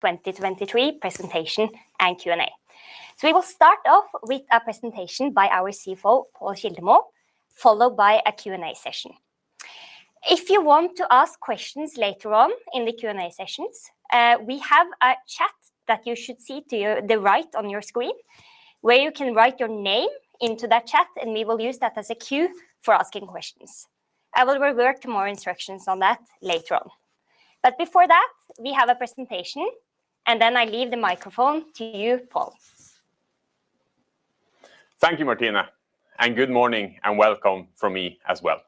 2023 presentation and Q&A. We will start off with a presentation by our CFO, Pål Kildemo, followed by a Q&A session. If you want to ask questions later on in the Q&A sessions, we have a chat that you should see to your right on your screen, where you can write your name into that chat, and we will use that as a cue for asking questions. I will revert to more instructions on that later on. Before that, we have a presentation, and then I leave the microphone to you, Pål. Thank you, Martine. Good morning, and welcome from me as well.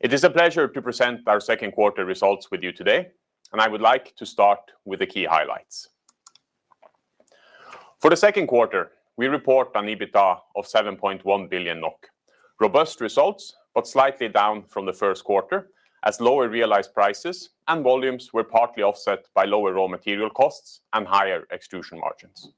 It is a pleasure to present our second quarter results with you today. I would like to start with the key highlights. For the second quarter, we report an EBITDA of 7.1 billion NOK. Robust results, slightly down from the first quarter, as lower realized prices and volumes were partly offset by lower raw material costs and higher extrusion margins.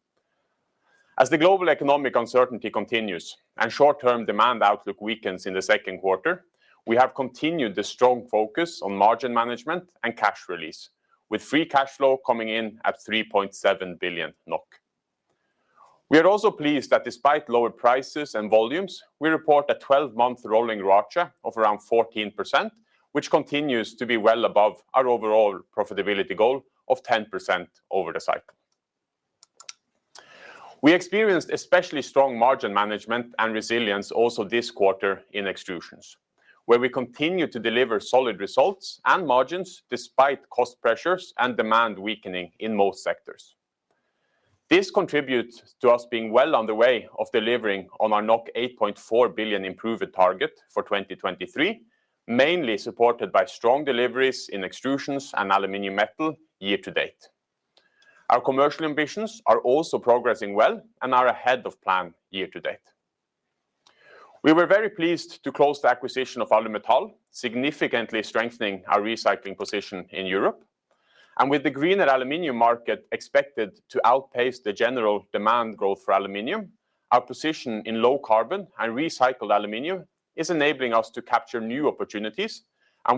The global economic uncertainty continues and short-term demand outlook weakens in the second quarter, we have continued the strong focus on margin management and cash release, with free cash flow coming in at 3.7 billion NOK. We are also pleased that despite lower prices and volumes, we report a 12-month rolling ROACE of around 14%, which continues to be well above our overall profitability goal of 10% over the cycle. We experienced especially strong margin management and resilience also this quarter in Extrusions, where we continue to deliver solid results and margins despite cost pressures and demand weakening in most sectors. This contributes to us being well on the way of delivering on our 8.4 billion improvement target for 2023, mainly supported by strong deliveries in Extrusions and Aluminium Metal year to date. Our commercial ambitions are also progressing well and are ahead of plan year to date. We were very pleased to close the acquisition of Alumetal, significantly strengthening our recycling position in Europe, and with the greener aluminum market expected to outpace the general demand growth for aluminum, our position in low carbon and recycled aluminum is enabling us to capture new opportunities.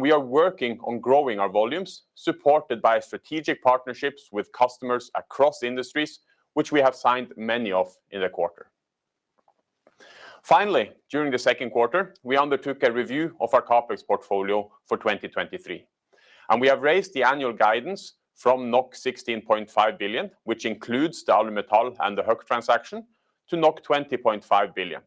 We are working on growing our volumes, supported by strategic partnerships with customers across industries, which we have signed many of in the quarter. During the second quarter, we undertook a review of our CapEx portfolio for 2023, and we have raised the annual guidance from 16.5 billion, which includes the Alumetal and the Hueck transaction, to 20.5 billion.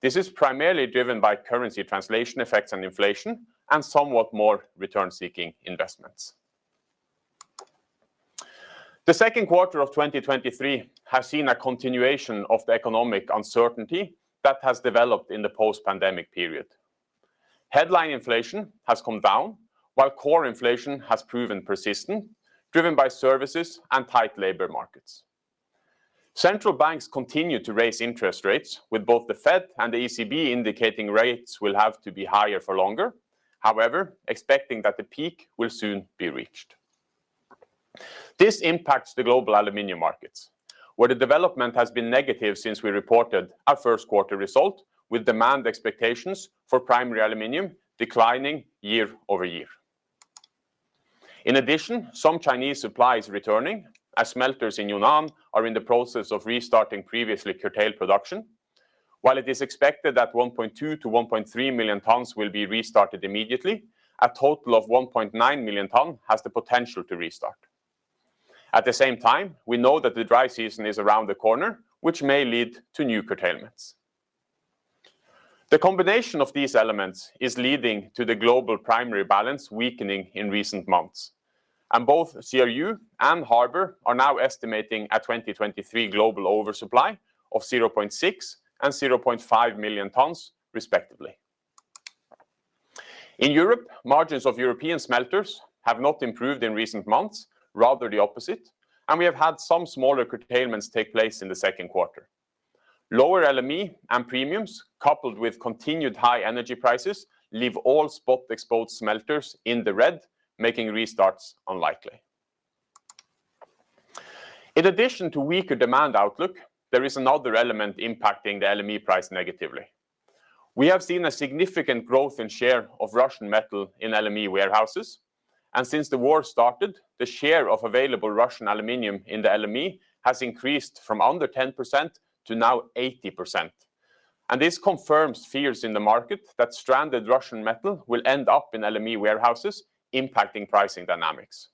This is primarily driven by currency translation effects and inflation, and somewhat more return-seeking investments. The second quarter of 2023 has seen a continuation of the economic uncertainty that has developed in the post-pandemic period. Headline inflation has come down, while core inflation has proven persistent, driven by services and tight labor markets. Central banks continue to raise interest rates, with both the Fed and the ECB indicating rates will have to be higher for longer, however, expecting that the peak will soon be reached. This impacts the global aluminum markets, where the development has been negative since we reported our first quarter result, with demand expectations for primary aluminum declining year-over-year. In addition, some Chinese supply is returning, as smelters in Yunnan are in the process of restarting previously curtailed production. While it is expected that 1.2 million-1.3 million tons will be restarted immediately, a total of 1.9 million ton has the potential to restart. At the same time, we know that the dry season is around the corner, which may lead to new curtailments. The combination of these elements is leading to the global primary balance weakening in recent months. Both CRU and Harbor are now estimating a 2023 global oversupply of 0.6 and 0.5 million tons, respectively. In Europe, margins of European smelters have not improved in recent months, rather the opposite. We have had some smaller curtailments take place in the second quarter. Lower LME and premiums, coupled with continued high energy prices, leave all spot-exposed smelters in the red, making restarts unlikely. In addition to weaker demand outlook, there is another element impacting the LME price negatively. We have seen a significant growth in share of Russian metal in LME warehouses. Since the war started, the share of available Russian aluminum in the LME has increased from under 10% to now 80%. This confirms fears in the market that stranded Russian metal will end up in LME warehouses, impacting pricing dynamics.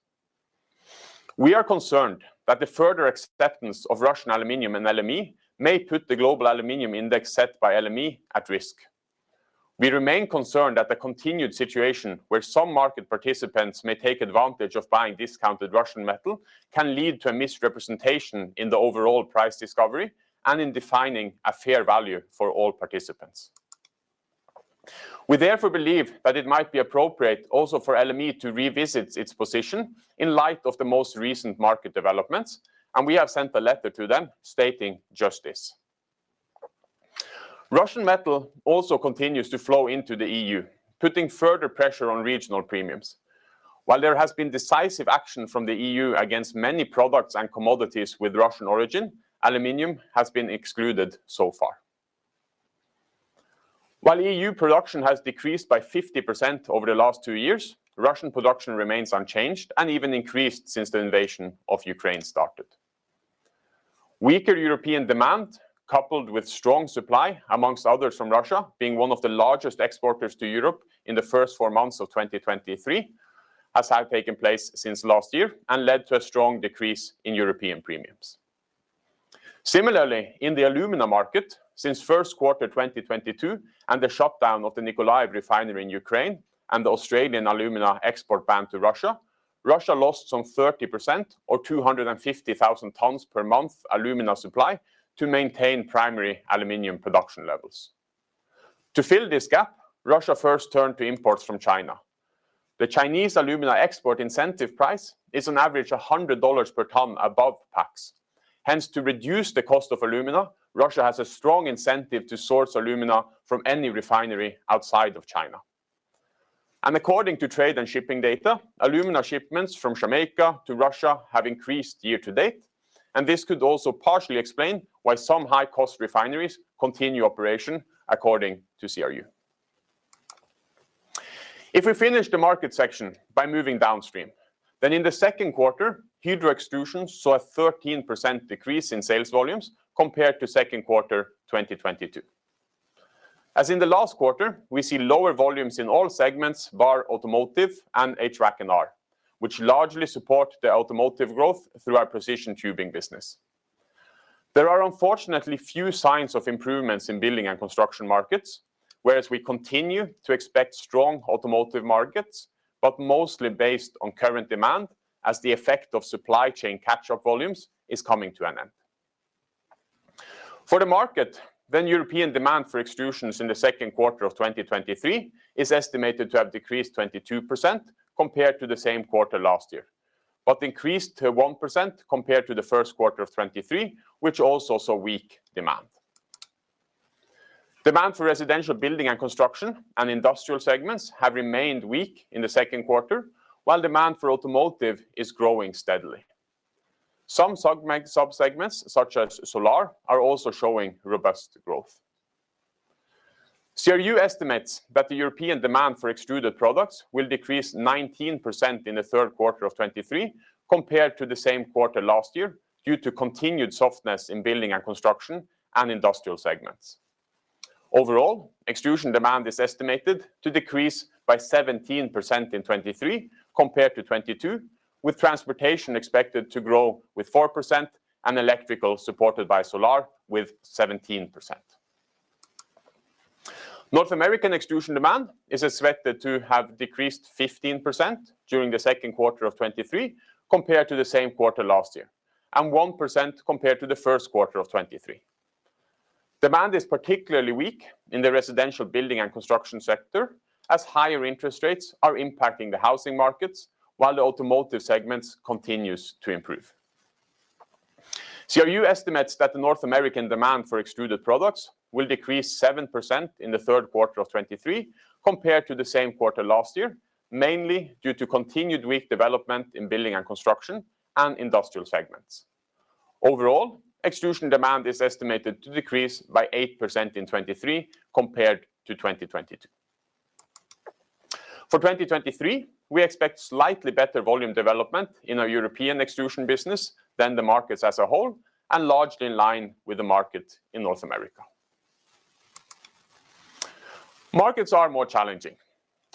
We are concerned that the further acceptance of Russian aluminum in LME may put the global aluminum index set by LME at risk. We remain concerned that the continued situation, where some market participants may take advantage of buying discounted Russian metal, can lead to a misrepresentation in the overall price discovery and in defining a fair value for all participants. We therefore believe that it might be appropriate also for LME to revisit its position in light of the most recent market developments. We have sent a letter to them stating just this. Russian metal also continues to flow into the EU, putting further pressure on regional premiums. While there has been decisive action from the EU against many products and commodities with Russian origin, aluminum has been excluded so far. While EU production has decreased by 50% over the last two years, Russian production remains unchanged and even increased since the invasion of Ukraine started. Weaker European demand, coupled with strong supply, amongst others from Russia, being one of the largest exporters to Europe in the first four months of 2023, as have taken place since last year, and led to a strong decrease in European premiums. Similarly, in the alumina market, since first quarter 2022, and the shutdown of the Nikolaev Alumina Refinery in Ukraine and the Australian alumina export ban to Russia lost some 30% or 250,000 tons per month alumina supply to maintain primary aluminium production levels. To fill this gap, Russia first turned to imports from China. The Chinese alumina export incentive price is on average $100 per ton above PAX. To reduce the cost of alumina, Russia has a strong incentive to source alumina from any refinery outside of China. According to trade and shipping data, alumina shipments from Jamaica to Russia have increased year-to-date, and this could also partially explain why some high-cost refineries continue operation, according to CRU. We finish the market section by moving downstream, in the second quarter, Hydro Extrusions saw a 13% decrease in sales volumes compared to second quarter 2022. As in the last quarter, we see lower volumes in all segments, bar, automotive, and HVAC&R, which largely support the automotive growth through our precision tubing business. There are unfortunately few signs of improvements in building and construction markets, whereas we continue to expect strong automotive markets, mostly based on current demand, as the effect of supply chain catch-up volumes is coming to an end. For the market, European demand for extrusions in the second quarter of 2023 is estimated to have decreased 22% compared to the same quarter last year, but increased to 1% compared to the first quarter of 2023, which also saw weak demand. Demand for residential building and construction and industrial segments have remained weak in the second quarter, while demand for automotive is growing steadily. Some subsegments, such as solar, are also showing robust growth. CRU estimates that the European demand for extruded products will decrease 19% in the third quarter of 2023, compared to the same quarter last year, due to continued softness in building and construction and industrial segments. Overall, extrusion demand is estimated to decrease by 17% in 2023 compared to 2022, with transportation expected to grow with 4% and electrical, supported by solar, with 17%. North American extrusion demand is expected to have decreased 15% during the second quarter of 2023, compared to the same quarter last year, and 1% compared to the first quarter of 2023. Demand is particularly weak in the residential building and construction sector, as higher interest rates are impacting the housing markets, while the automotive segments continues to improve. CRU estimates that the North American demand for extruded products will decrease 7% in the 3rd quarter of 2023, compared to the same quarter last year, mainly due to continued weak development in building and construction and industrial segments. Overall, extrusion demand is estimated to decrease by 8% in 2023, compared to 2022. For 2023, we expect slightly better volume development in our European extrusion business than the markets as a whole, and largely in line with the market in North America. Markets are more challenging,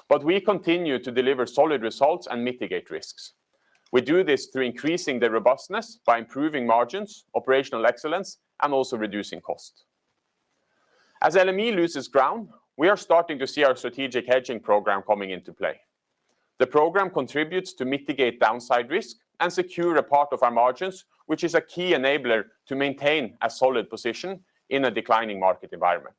but we continue to deliver solid results and mitigate risks. We do this through increasing the robustness by improving margins, operational excellence, and also reducing cost. As LME loses ground, we are starting to see our strategic hedging program coming into play. The program contributes to mitigate downside risk and secure a part of our margins, which is a key enabler to maintain a solid position in a declining market environment.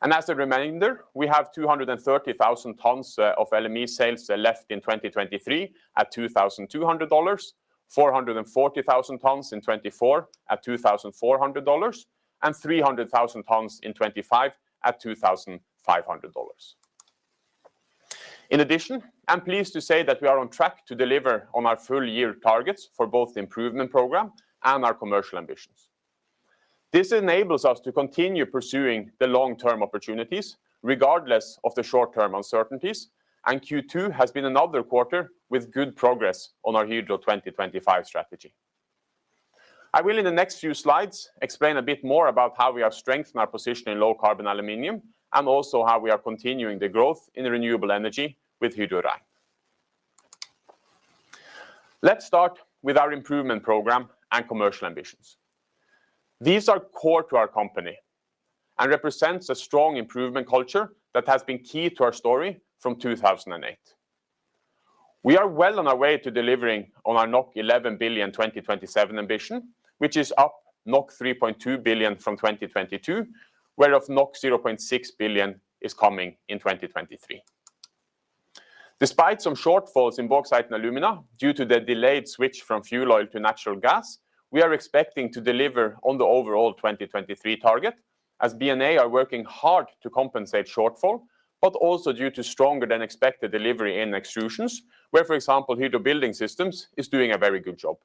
As a reminder, we have 230,000 tons of LME sales left in 2023 at $2,200, 440,000 tons in 2024 at $2,400, and 300,000 tons in 2025 at $2,500. In addition, I'm pleased to say that we are on track to deliver on our full-year targets for both the improvement program and our commercial ambitions. This enables us to continue pursuing the long-term opportunities, regardless of the short-term uncertainties, and Q2 has been another quarter with good progress on our Hydro 2025 strategy. I will, in the next few slides, explain a bit more about how we have strengthened our position in low-carbon aluminium, and also how we are continuing the growth in renewable energy with Hydro Rein. Let's start with our improvement program and commercial ambitions. These are core to our company and represents a strong improvement culture that has been key to our story from 2008. We are well on our way to delivering on our 11 billion 2027 ambition, which is up 3.2 billion from 2022, whereof 0.6 billion is coming in 2023. Despite some shortfalls in bauxite and alumina, due to the delayed switch from fuel oil to natural gas, we are expecting to deliver on the overall 2023 target, as BNA are working hard to compensate shortfall, also due to stronger than expected delivery in extrusions, where, for example, Hydro Building Systems is doing a very good job.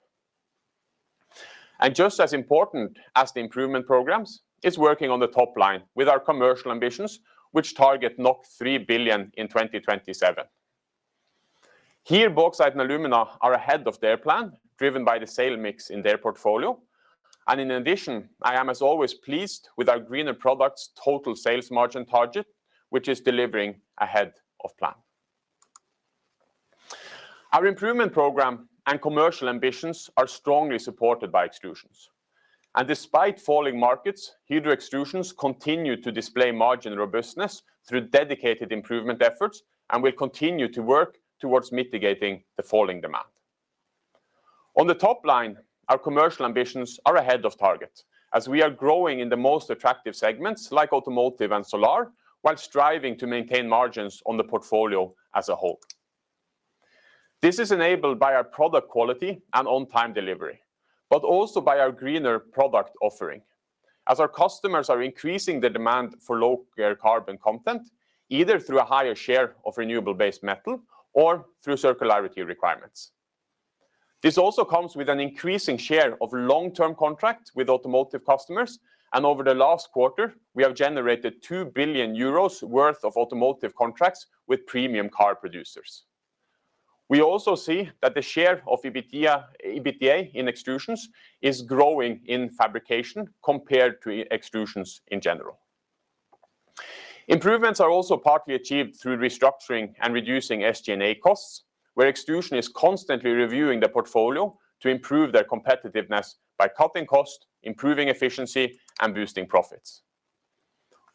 Just as important as the improvement programs, is working on the top line with our commercial ambitions, which target 3 billion in 2027. Here, Bauxite and Alumina are ahead of their plan, driven by the sale mix in their portfolio. In addition, I am as always, pleased with our greener products total sales margin target, which is delivering ahead of plan. Our improvement program and commercial ambitions are strongly supported by Extrusions, and despite falling markets, Hydro Extrusions continue to display margin robustness through dedicated improvement efforts, and we continue to work towards mitigating the falling demand. On the top line, our commercial ambitions are ahead of target, as we are growing in the most attractive segments like automotive and solar, while striving to maintain margins on the portfolio as a whole. This is enabled by our product quality and on-time delivery, but also by our greener product offering. As our customers are increasing the demand for low carbon content, either through a higher share of renewable-based metal or through circularity requirements. This also comes with an increasing share of long-term contract with automotive customers, and over the last quarter, we have generated 2 billion euros worth of automotive contracts with premium car producers. We also see that the share of EBITDA in Extrusions is growing in fabrication compared to Extrusions in general. Improvements are also partly achieved through restructuring and reducing SG&A costs, where Extrusion is constantly reviewing the portfolio to improve their competitiveness by cutting costs, improving efficiency, and boosting profits.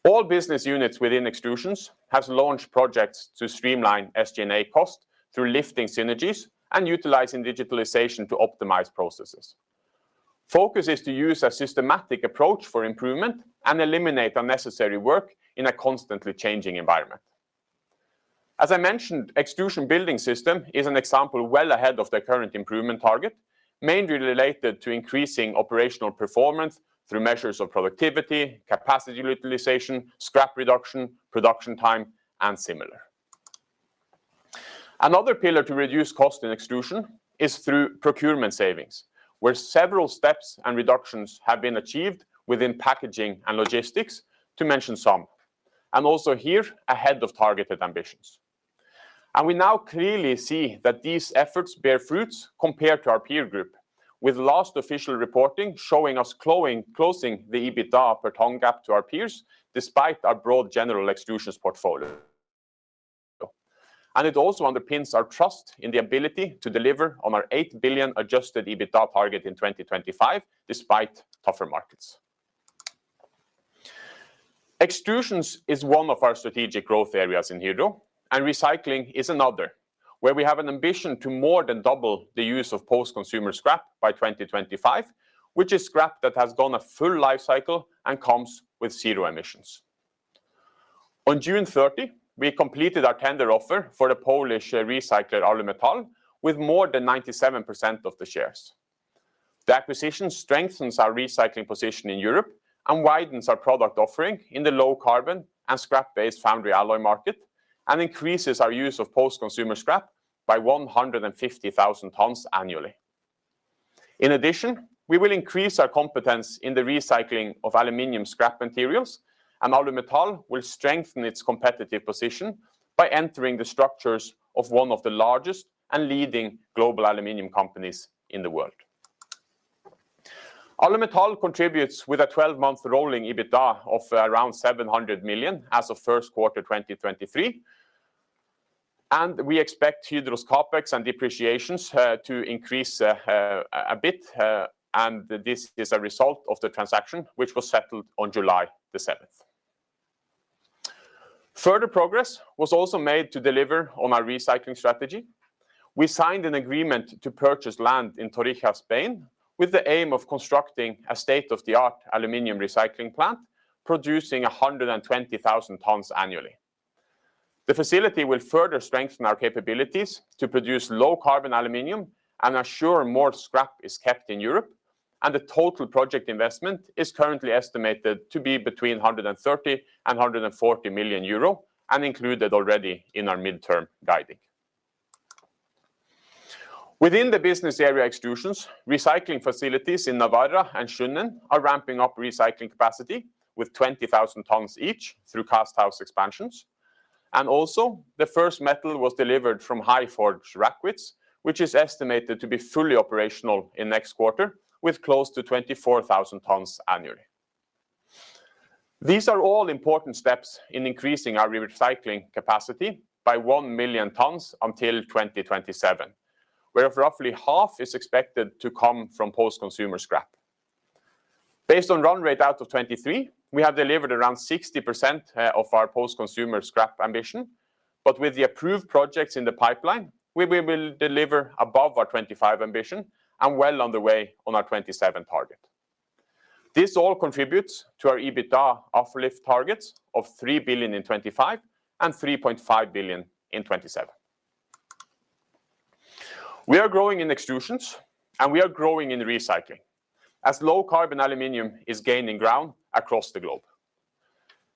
All business units within Extrusions have launched projects to streamline SG&A costs through lifting synergies and utilizing digitalization to optimize processes. Focus is to use a systematic approach for improvement and eliminate unnecessary work in a constantly changing environment. As I mentioned, Extrusion Building System is an example well ahead of the current improvement target, mainly related to increasing operational performance through measures of productivity, capacity utilization, scrap reduction, production time, and similar. Another pillar to reduce cost in Extrusions is through procurement savings, where several steps and reductions have been achieved within packaging and logistics, to mention some, and also here, ahead of targeted ambitions. We now clearly see that these efforts bear fruits compared to our peer group, with last official reporting showing us closing the EBITDA per ton gap to our peers, despite our broad general Extrusions portfolio. It also underpins our trust in the ability to deliver on our 8 billion adjusted EBITDA target in 2025, despite tougher markets. Extrusions is one of our strategic growth areas in Hydro, and Recycling is another, where we have an ambition to more than double the use of post-consumer scrap by 2025, which is scrap that has gone a full life cycle and comes with zero emissions. On June 30, we completed our tender offer for the Polish recycler, Alumetal, with more than 97% of the shares. The acquisition strengthens our recycling position in Europe and widens our product offering in the low carbon and scrap-based foundry alloy market, and increases our use of post-consumer scrap by 150,000 tons annually. In addition, we will increase our competence in the recycling of aluminum scrap materials, and Alumetal will strengthen its competitive position by entering the structures of one of the largest and leading global aluminum companies in the world. Alumetal contributes with a 12-month rolling EBITDA of around 700 million as of Q1 2023, and we expect Hydro's CapEx and depreciations to increase a bit, and this is a result of the transaction, which was settled on July 7. Further progress was also made to deliver on our recycling strategy. We signed an agreement to purchase land in Torija, Spain, with the aim of constructing a state-of-the-art aluminium recycling plant, producing 120,000 tons annually. The facility will further strengthen our capabilities to produce low-carbon aluminium and ensure more scrap is kept in Europe. The total project investment is currently estimated to be between 130 million and 140 million euro, included already in our midterm guiding. Within the business area, Hydro Extrusions, recycling facilities in Navarra and Sjunnen are ramping up recycling capacity with 20,000 tons each through cast house expansions. Also, the first metal was delivered from HyForge Rackwitz, which is estimated to be fully operational in next quarter, with close to 24,000 tons annually. These are all important steps in increasing our recycling capacity by 1 million tons until 2027, where of roughly half is expected to come from post-consumer scrap. Based on run rate out of 2023, we have delivered around 60% of our post-consumer scrap ambition, but with the approved projects in the pipeline, we will deliver above our 2025 ambition and well on the way on our 2027 target. This all contributes to our EBITDA uplift targets of 3 billion in 2025 and 3.5 billion in 2027. We are growing in Extrusions, and we are growing in Recycling, as low-carbon aluminum is gaining ground across the globe....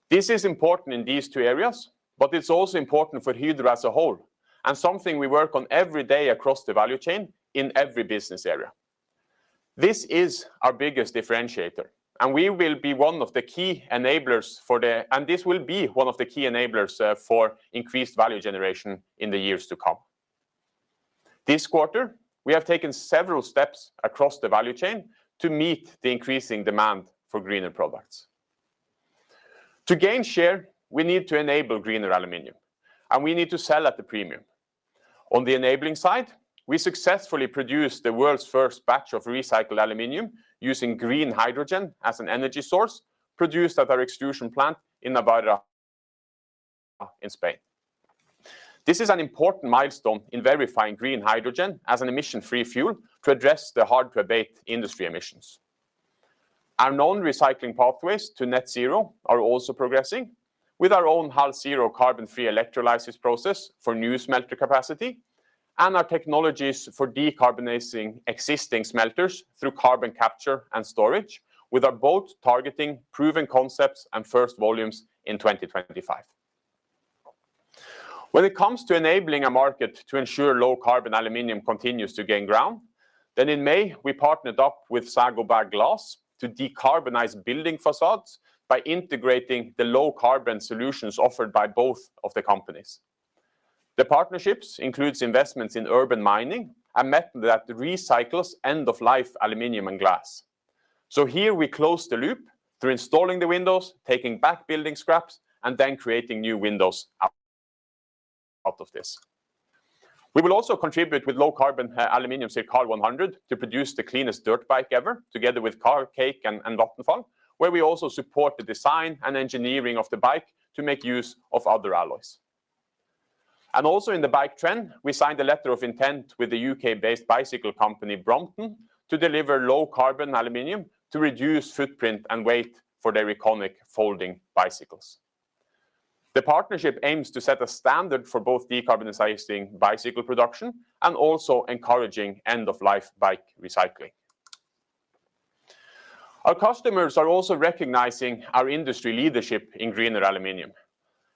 This is important in these two areas, but it's also important for Hydro as a whole, and something we work on every day across the value chain in every business area. This is our biggest differentiator. This will be one of the key enablers for increased value generation in the years to come. This quarter, we have taken several steps across the value chain to meet the increasing demand for greener products. To gain share, we need to enable greener aluminum, and we need to sell at a premium. On the enabling side, we successfully produced the world's first batch of recycled aluminum using green hydrogen as an energy source, produced at our extrusion plant in Navarra in Spain. This is an important milestone in verifying green hydrogen as an emission-free fuel to address the hard-to-abate industry emissions. Our known recycling pathways to net zero are also progressing with our own HalZero carbon-free electrolysis process for new smelter capacity and our technologies for decarbonizing existing smelters through carbon capture and storage, with our both targeting proven concepts and first volumes in 2025. When it comes to enabling a market to ensure low-carbon aluminum continues to gain ground, then in May, we partnered up with Saint-Gobain Glass to decarbonize building facades by integrating the low-carbon solutions offered by both of the companies. The partnerships includes investments in urban mining, a method that recycles end-of-life aluminum and glass. Here we close the loop through installing the windows, taking back building scraps, and then creating new windows out of this. We will also contribute with low-carbon aluminum, say, Hydro CIRCAL 100R, to produce the cleanest dirt bike ever, together with Kalk, Cake, and Vattenfall, where we also support the design and engineering of the bike to make use of other alloys. Also in the bike trend, we signed a letter of intent with the U.K.-based bicycle company, Brompton, to deliver low-carbon aluminum to reduce footprint and weight for their iconic folding bicycles. The partnership aims to set a standard for both decarbonizing bicycle production and also encouraging end-of-life bike recycling. Our customers are also recognizing our industry leadership in greener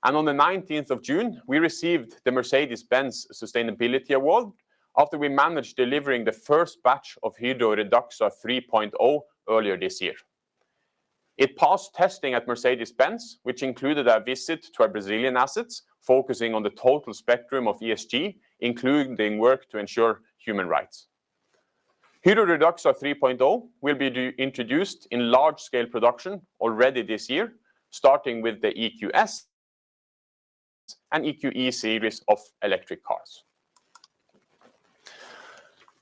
aluminum. On the 19th of June, we received the Mercedes-Benz Sustainability Award after we managed delivering the first batch of Hydro REDUXA 3.0 earlier this year. It passed testing at Mercedes-Benz, which included a visit to our Brazilian assets, focusing on the total spectrum of ESG, including work to ensure human rights. Hydro REDUXA 3.0 will be introduced in large-scale production already this year, starting with the EQS and EQE series of electric cars.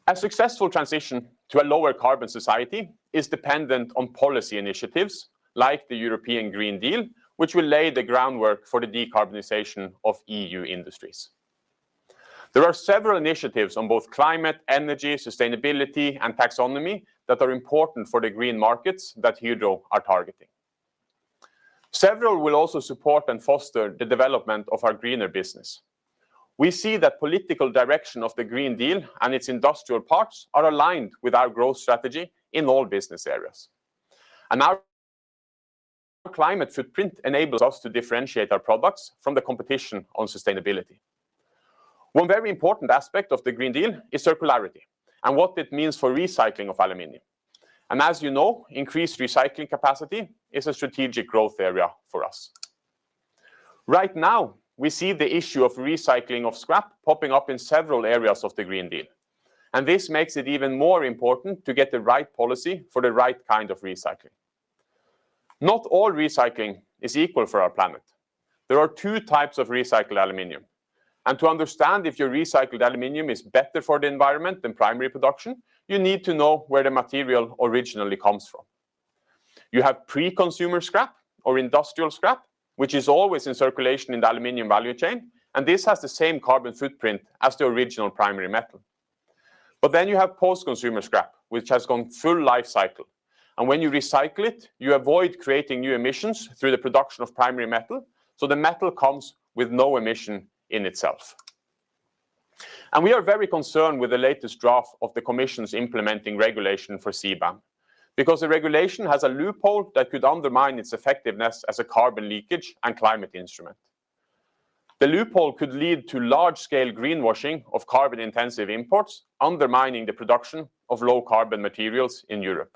A successful transition to a lower carbon society is dependent on policy initiatives like the European Green Deal, which will lay the groundwork for the decarbonization of EU industries. There are several initiatives on both climate, energy, sustainability, and taxonomy that are important for the green markets that Hydro are targeting. Several will also support and foster the development of our greener business. We see that political direction of the Green Deal and its industrial parts are aligned with our growth strategy in all business areas, and our climate footprint enables us to differentiate our products from the competition on sustainability. One very important aspect of the Green Deal is circularity and what it means for recycling of aluminium. As you know, increased recycling capacity is a strategic growth area for us. Right now, we see the issue of recycling of scrap popping up in several areas of the Green Deal, this makes it even more important to get the right policy for the right kind of recycling. Not all recycling is equal for our planet. There are two types of recycled aluminium, and to understand if your recycled aluminium is better for the environment than primary production, you need to know where the material originally comes from. You have pre-consumer scrap or industrial scrap, which is always in circulation in the aluminium value chain. This has the same carbon footprint as the original primary metal. You have post-consumer scrap, which has gone full life cycle. When you recycle it, you avoid creating new emissions through the production of primary metal. The metal comes with no emission in itself. We are very concerned with the latest draft of the Commission's implementing regulation for CBAM, because the regulation has a loophole that could undermine its effectiveness as a carbon leakage and climate instrument. The loophole could lead to large-scale greenwashing of carbon-intensive imports, undermining the production of low-carbon materials in Europe.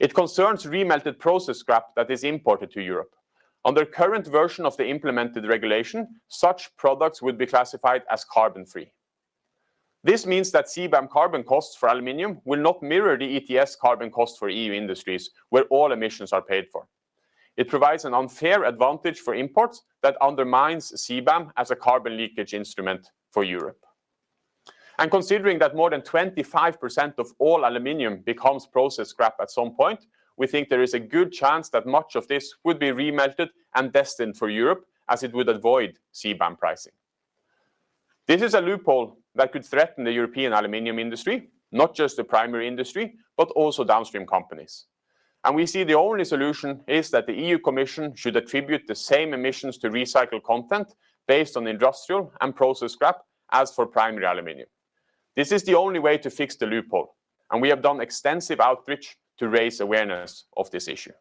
It concerns remelted process scrap that is imported to Europe. Under current version of the implemented regulation, such products would be classified as carbon-free. This means that CBAM carbon costs for aluminum will not mirror the ETS carbon cost for EU industries, where all emissions are paid for. It provides an unfair advantage for imports that undermines CBAM as a carbon leakage instrument for Europe. Considering that more than 25% of all aluminum becomes process scrap at some point, we think there is a good chance that much of this would be remelted and destined for Europe, as it would avoid CBAM pricing. This is a loophole that could threaten the European aluminum industry, not just the primary industry, but also downstream companies. We see the only solution is that the EU Commission should attribute the same emissions to recycled content based on industrial and process scrap as for primary aluminum. This is the only way to fix the loophole, and we have done extensive outreach to raise awareness of this issue.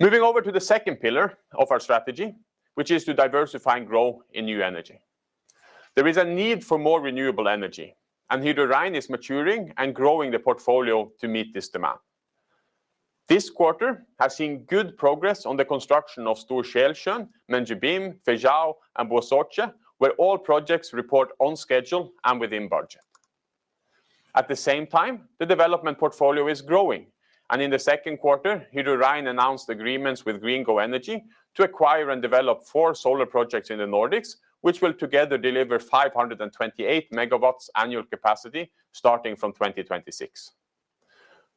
Moving over to the second pillar of our strategy, which is to diversify and grow in new energy. There is a need for more renewable energy, and Hydro Rein is maturing and growing the portfolio to meet this demand. This quarter has seen good progress on the construction of Stor-Skälsjön, Mendubim, Feijão, and Boa Sorte, where all projects report on schedule and within budget. At the same time, the development portfolio is growing, in the second quarter, Hydro Rein announced agreements with GreenGo Energy to acquire and develop four solar projects in the Nordics, which will together deliver 528 MW annual capacity starting from 2026.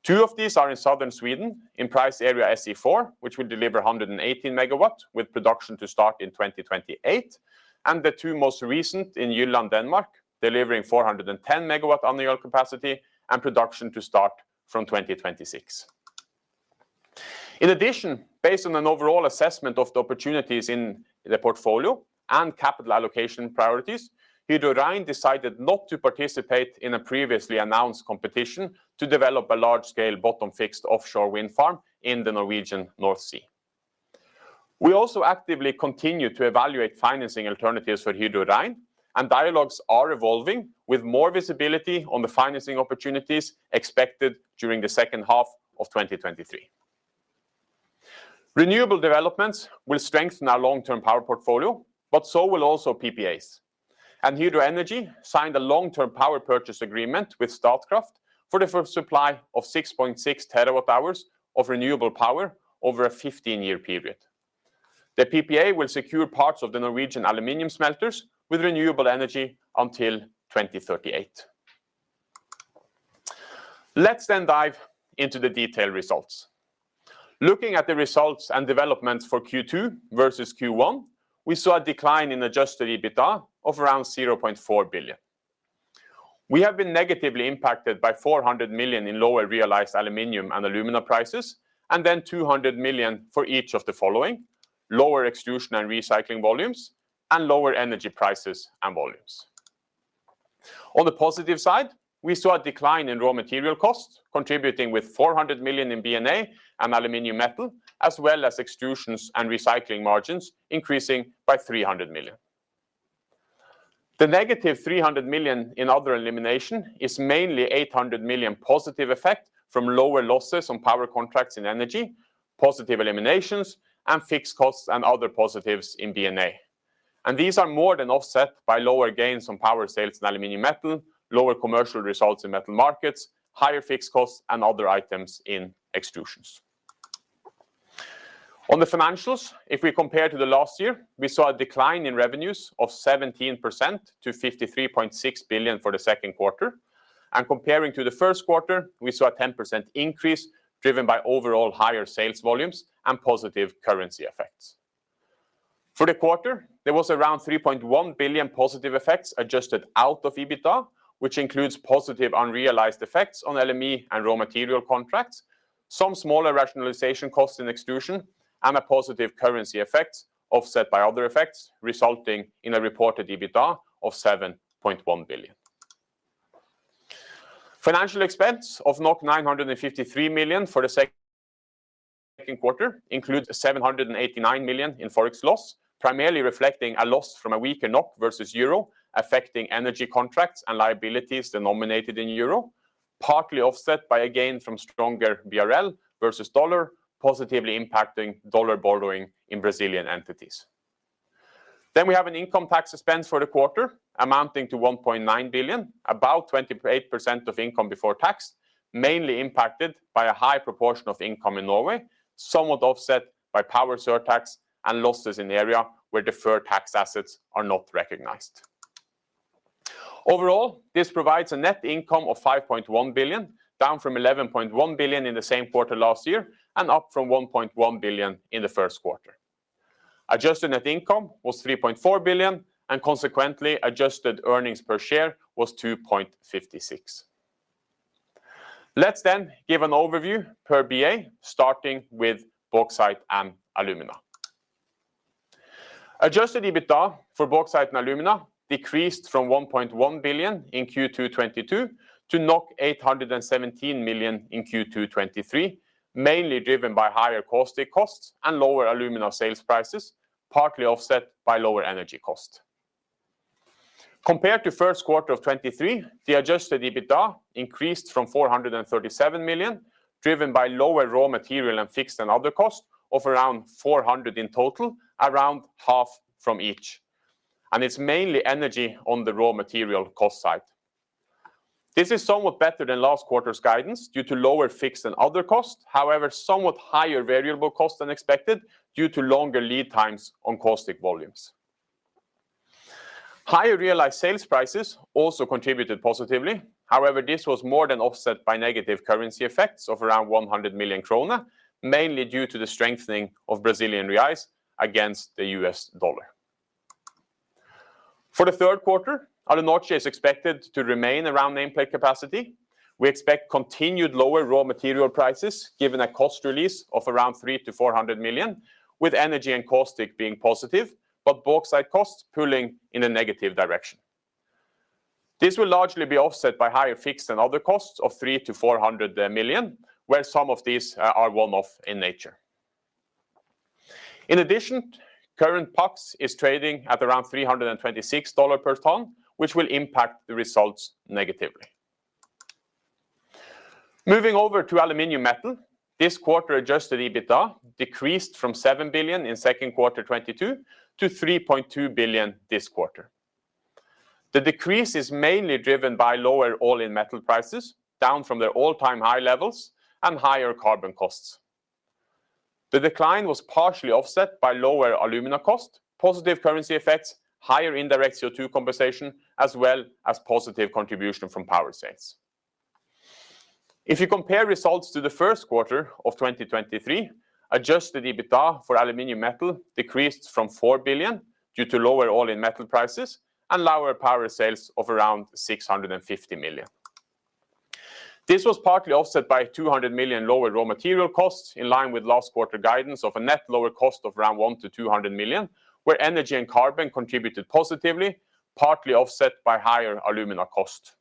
Two of these are in Southern Sweden, in price area SE4, which will deliver 118 MW, with production to start in 2028, and the two most recent in Jylland, Denmark, delivering 410 MW annual capacity and production to start from 2026. Based on an overall assessment of the opportunities in the portfolio and capital allocation priorities, Hydro Rein decided not to participate in a previously announced competition to develop a large-scale bottom-fixed offshore wind farm in the Norwegian North Sea. We also actively continue to evaluate financing alternatives for Hydro Rein, and dialogues are evolving, with more visibility on the financing opportunities expected during the second half of 2023. Renewable developments will strengthen our long-term power portfolio, but so will also PPAs. Hydro Energy signed a long-term power purchase agreement with Statkraft for the firm supply of 6.6 TWhs of renewable power over a 15-year period. The PPA will secure parts of the Norwegian aluminum smelters with renewable energy until 2038. Let's dive into the detailed results. Looking at the results and developments for Q2 versus Q1, we saw a decline in adjusted EBITDA of around 0.4 billion. We have been negatively impacted by 400 million in lower realized aluminum and alumina prices, 200 million for each of the following: lower extrusion and recycling volumes and lower energy prices and volumes. On the positive side, we saw a decline in raw material costs, contributing with 400 million in BNA and aluminum metal, as well as extrusions and recycling margins, increasing by 300 million. The negative 300 million in other elimination is mainly 800 million positive effect from lower losses on power contracts in Hydro Energy, positive eliminations, and fixed costs and other positives in BNA. These are more than offset by lower gains on power sales and aluminium metal, lower commercial results in metal markets, higher fixed costs, and other items in Hydro Extrusions. On the financials, if we compare to the last year, we saw a decline in revenues of 17% to 53.6 billion for the second quarter. Comparing to the first quarter, we saw a 10% increase, driven by overall higher sales volumes and positive currency effects. For the quarter, there was around 3.1 billion positive effects adjusted out of EBITDA, which includes positive unrealized effects on LME and raw material contracts, some smaller rationalization costs in extrusion, and a positive currency effect, offset by other effects, resulting in a reported EBITDA of 7.1 billion. Financial expense of 953 million for the second quarter includes a 789 million in Forex loss, primarily reflecting a loss from a weaker NOK versus Euro, affecting energy contracts and liabilities denominated in Euro, partly offset by a gain from stronger BRL versus $, positively impacting $ borrowing in Brazilian entities. We have an income tax expense for the quarter, amounting to 1.9 billion, about 28% of income before tax, mainly impacted by a high proportion of income in Norway, somewhat offset by power surtax and losses in the area where deferred tax assets are not recognized. Overall, this provides a net income of 5.1 billion, down from 11.1 billion in the same quarter last year, and up from 1.1 billion in the first quarter. Adjusted net income was 3.4 billion, and consequently, adjusted earnings per share was 2.56. Let's give an overview per BA, starting with bauxite and alumina. Adjusted EBITDA for bauxite and alumina decreased from 1.1 billion in Q2 2022 to 817 million in Q2 2023, mainly driven by higher caustic costs and lower alumina sales prices, partly offset by lower energy cost. Compared to first quarter of 2023, the adjusted EBITDA increased from 437 million, driven by lower raw material and fixed and other costs of around 400 in total, around half from each. It's mainly energy on the raw material cost side. This is somewhat better than last quarter's guidance due to lower fixed and other costs. Somewhat higher variable costs than expected due to longer lead times on caustic volumes. Higher realized sales prices also contributed positively. This was more than offset by negative currency effects of around 100 million krone, mainly due to the strengthening of Brazilian reais against the US dollar. For the third quarter, Alunorte is expected to remain around nameplate capacity. We expect continued lower raw material prices, given a cost release of around 300 million-400 million, with energy and caustic being positive, bauxite costs pulling in a negative direction. This will largely be offset by higher fixed and other costs of 300 million-400 million, where some of these are one-off in nature. In addition, current PAXC is trading at around $326 per ton, which will impact the results negatively. Moving over to Aluminum Metal, this quarter adjusted EBITDA decreased from 7 billion in 2Q 2022 to 3.2 billion this quarter. The decrease is mainly driven by lower all-in metal prices, down from their all-time high levels and higher carbon costs. The decline was partially offset by lower alumina cost, positive currency effects, higher indirect CO₂ compensation, as well as positive contribution from power sales. If you compare results to the first quarter of 2023, adjusted EBITDA for Aluminum Metal decreased from 4 billion due to lower all-in metal prices and lower power sales of around 650 million. This was partly offset by 200 million lower raw material costs, in line with last quarter guidance of a net lower cost of around 100 million-200 million, where energy and carbon contributed positively, partly offset by higher alumina cost.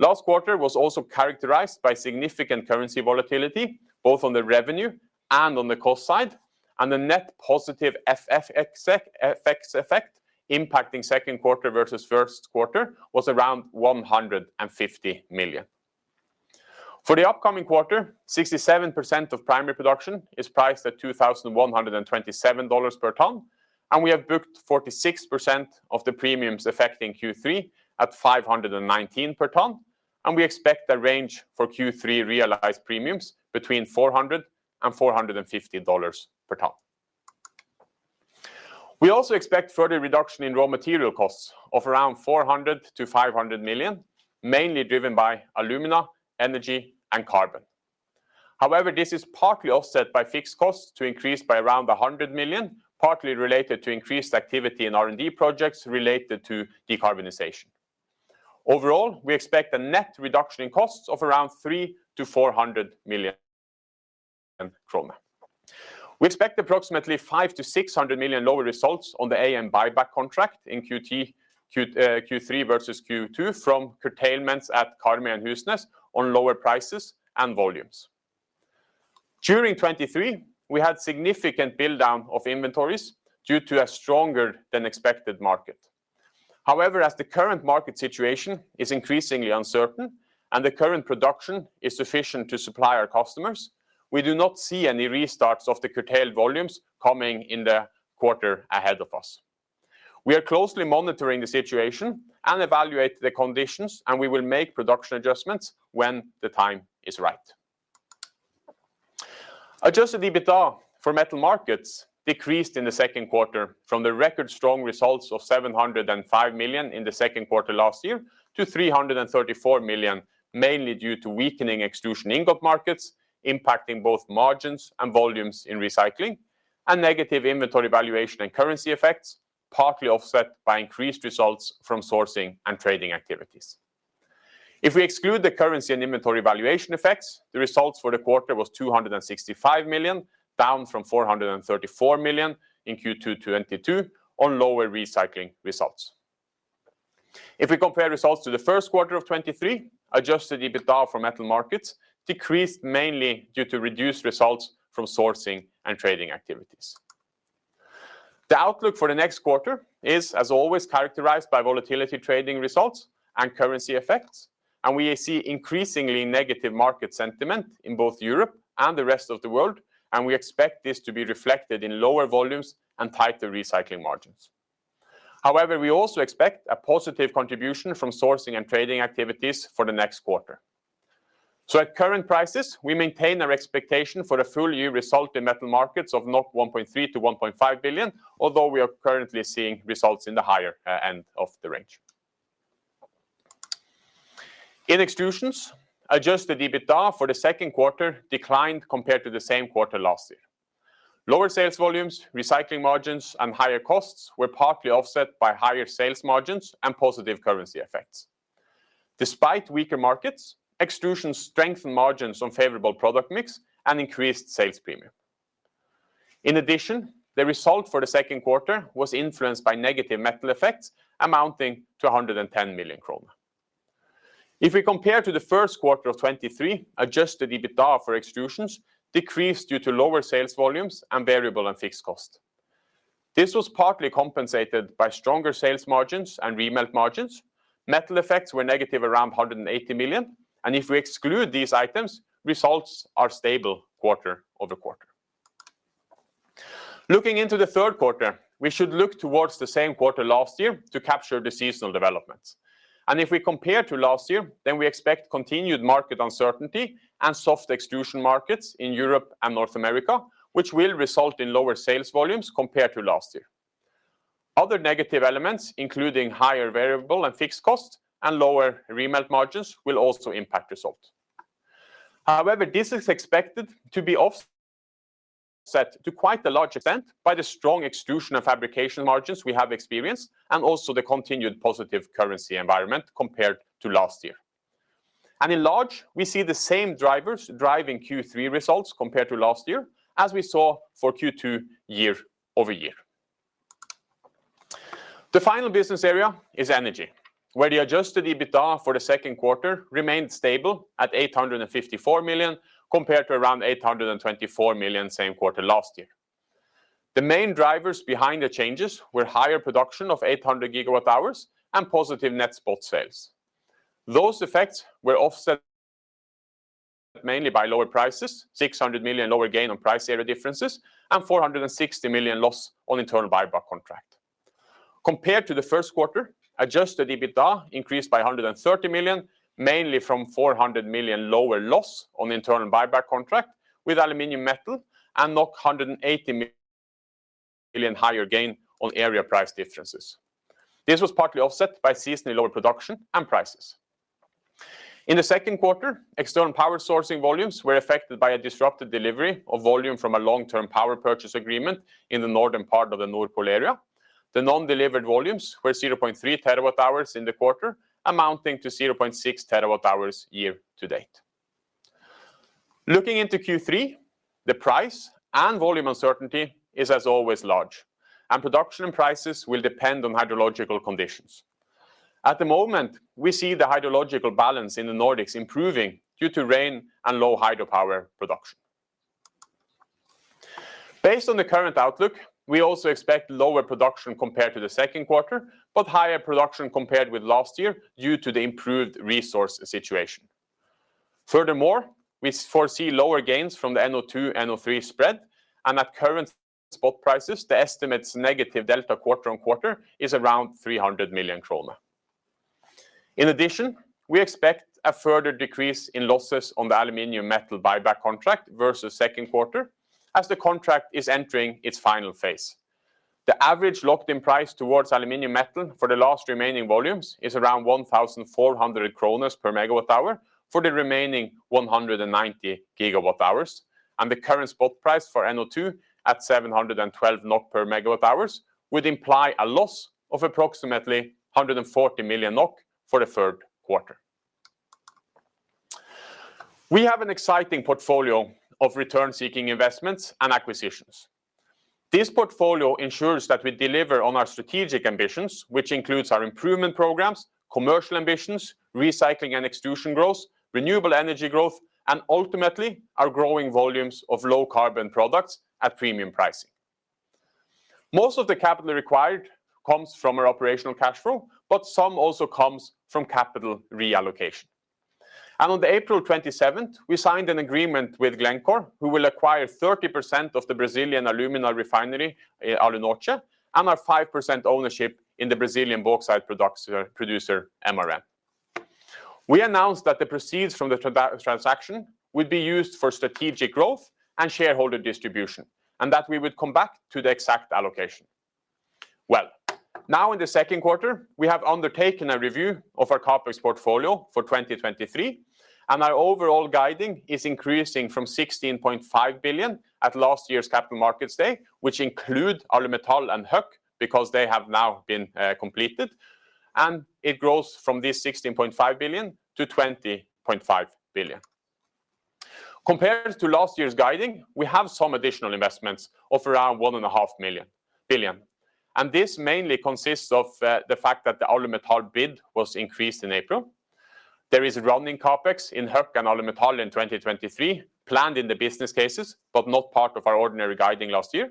Last quarter was also characterized by significant currency volatility, both on the revenue and on the cost side, the net positive FF effect impacting second quarter versus first quarter was around $150 million. For the upcoming quarter, 67% of primary production is priced at $2,127 per ton, and we have booked 46% of the premiums affecting Q3 at $519 per ton, and we expect the range for Q3 realized premiums between $400-$450 per ton. We also expect further reduction in raw material costs of around $400 million-$500 million, mainly driven by alumina, energy, and carbon. However, this is partly offset by fixed costs to increase by around $100 million, partly related to increased activity in R&D projects related to decarbonization. Overall, we expect a net reduction in costs of around 300 million-400 million krone. We expect approximately 500 million-600 million lower results on the AM buyback contract in Q3 versus Q2, from curtailments at Karmøy and Husnes on lower prices and volumes. During 2023, we had significant build-down of inventories due to a stronger than expected market. As the current market situation is increasingly uncertain and the current production is sufficient to supply our customers, we do not see any restarts of the curtailed volumes coming in the quarter ahead of us. We are closely monitoring the situation and evaluate the conditions. We will make production adjustments when the time is right. Adjusted EBITDA for metal markets decreased in the second quarter from the record strong results of 705 million in the second quarter last year to 334 million, mainly due to weakening extrusion ingot markets, impacting both margins and volumes in recycling, and negative inventory valuation and currency effects, partly offset by increased results from sourcing and trading activities. If we exclude the currency and inventory valuation effects, the results for the quarter was 265 million, down from 434 million in Q2 2022, on lower recycling results. If we compare results to the first quarter of 2023, adjusted EBITDA for metal markets decreased mainly due to reduced results from sourcing and trading activities. The outlook for the next quarter is, as always, characterized by volatility trading results and currency effects. We see increasingly negative market sentiment in both Europe and the rest of the world. We expect this to be reflected in lower volumes and tighter recycling margins. We also expect a positive contribution from sourcing and trading activities for the next quarter. At current prices, we maintain our expectation for the full year result in metal markets of 1.3 billion-1.5 billion, although we are currently seeing results in the higher end of the range. In Extrusions, adjusted EBITDA for the second quarter declined compared to the same quarter last year. Lower sales volumes, recycling margins, and higher costs were partly offset by higher sales margins and positive currency effects. Despite weaker markets, Extrusions strengthened margins on favorable product mix and increased sales premium. In addition, the result for the second quarter was influenced by negative metal effects amounting to 110 million kroner. If we compare to the first quarter of 2023, adjusted EBITDA for Extrusions decreased due to lower sales volumes and variable and fixed costs. This was partly compensated by stronger sales margins and remelt margins. Metal effects were negative, around 180 million, and if we exclude these items, results are stable quarter-over-quarter. Looking into the third quarter, we should look towards the same quarter last year to capture the seasonal developments. If we compare to last year, we expect continued market uncertainty and soft extrusion markets in Europe and North America, which will result in lower sales volumes compared to last year. Other negative elements, including higher variable and fixed costs and lower remelt margins, will also impact results. However, this is expected to be offset to quite a large extent by the strong extrusion of fabrication margins we have experienced, and also the continued positive currency environment compared to last year. In large, we see the same drivers driving Q3 results compared to last year, as we saw for Q2 year-over-year. The final business area is energy, where the adjusted EBITDA for the second quarter remained stable at 854 million, compared to around 824 million same quarter last year. The main drivers behind the changes were higher production of 800 GWh and positive net spot sales. Those effects were offset mainly by lower prices, 600 million lower gain on price area differences, and 460 million loss on internal buyback contract. Compared to the first quarter, adjusted EBITDA increased by 130 million, mainly from 400 million lower loss on internal buyback contract with Alumetal and 180 million higher gain on area price differences. This was partly offset by seasonally lower production and prices. In the second quarter, external power sourcing volumes were affected by a disrupted delivery of volume from a long-term power purchase agreement in the northern part of the Nord Pool area. The non-delivered volumes were 0.3 TWhs in the quarter, amounting to 0.6 TWhs year to date. Looking into Q3, the price and volume uncertainty is, as always, large, and production and prices will depend on hydrological conditions. At the moment, we see the hydrological balance in the Nordics improving due to rain and low hydropower production. Based on the current outlook, we also expect lower production compared to the second quarter, but higher production compared with last year due to the improved resource situation. Furthermore, we foresee lower gains from the NO2, NO3 spread, and at current spot prices, the estimate's negative delta quarter-on-quarter is around 300 million krone. In addition, we expect a further decrease in losses on the aluminum metal buyback contract versus second quarter, as the contract is entering its final phase. The average locked-in price towards aluminum metal for the last remaining volumes is around 1,400 kroner per megawatt hour for the remaining 190 gigawatt hours, and the current spot price for NOK at 712 NOK per megawatt hours, would imply a loss of approximately 140 million NOK for the third quarter. We have an exciting portfolio of return-seeking investments and acquisitions. This portfolio ensures that we deliver on our strategic ambitions, which includes our improvement programs, commercial ambitions, recycling and extrusion growth, renewable energy growth, and ultimately, our growing volumes of low-carbon products at premium pricing. Most of the capital required comes from our operational cash flow. Some also comes from capital reallocation. On April 27th, we signed an agreement with Glencore, who will acquire 30% of the Brazilian alumina refinery, Alunorte, and our 5% ownership in the Brazilian bauxite producer, MRN. We announced that the proceeds from the transaction would be used for strategic growth and shareholder distribution, that we would come back to the exact allocation. Well, now in the 2Q, we have undertaken a review of our CapEx portfolio for 2023, our overall guiding is increasing from NOK 16.5 billion at last year's Capital Markets Day, which include Alumetal and Hueck, because they have now been completed, and it grows from this 16.5 billion to 20.5 billion. Compared to last year's guiding, we have some additional investments of around one and a half billion, and this mainly consists of the fact that the Alumetal bid was increased in April. There is a running CapEx in Hueck and Alumetal in 2023, planned in the business cases, but not part of our ordinary guiding last year.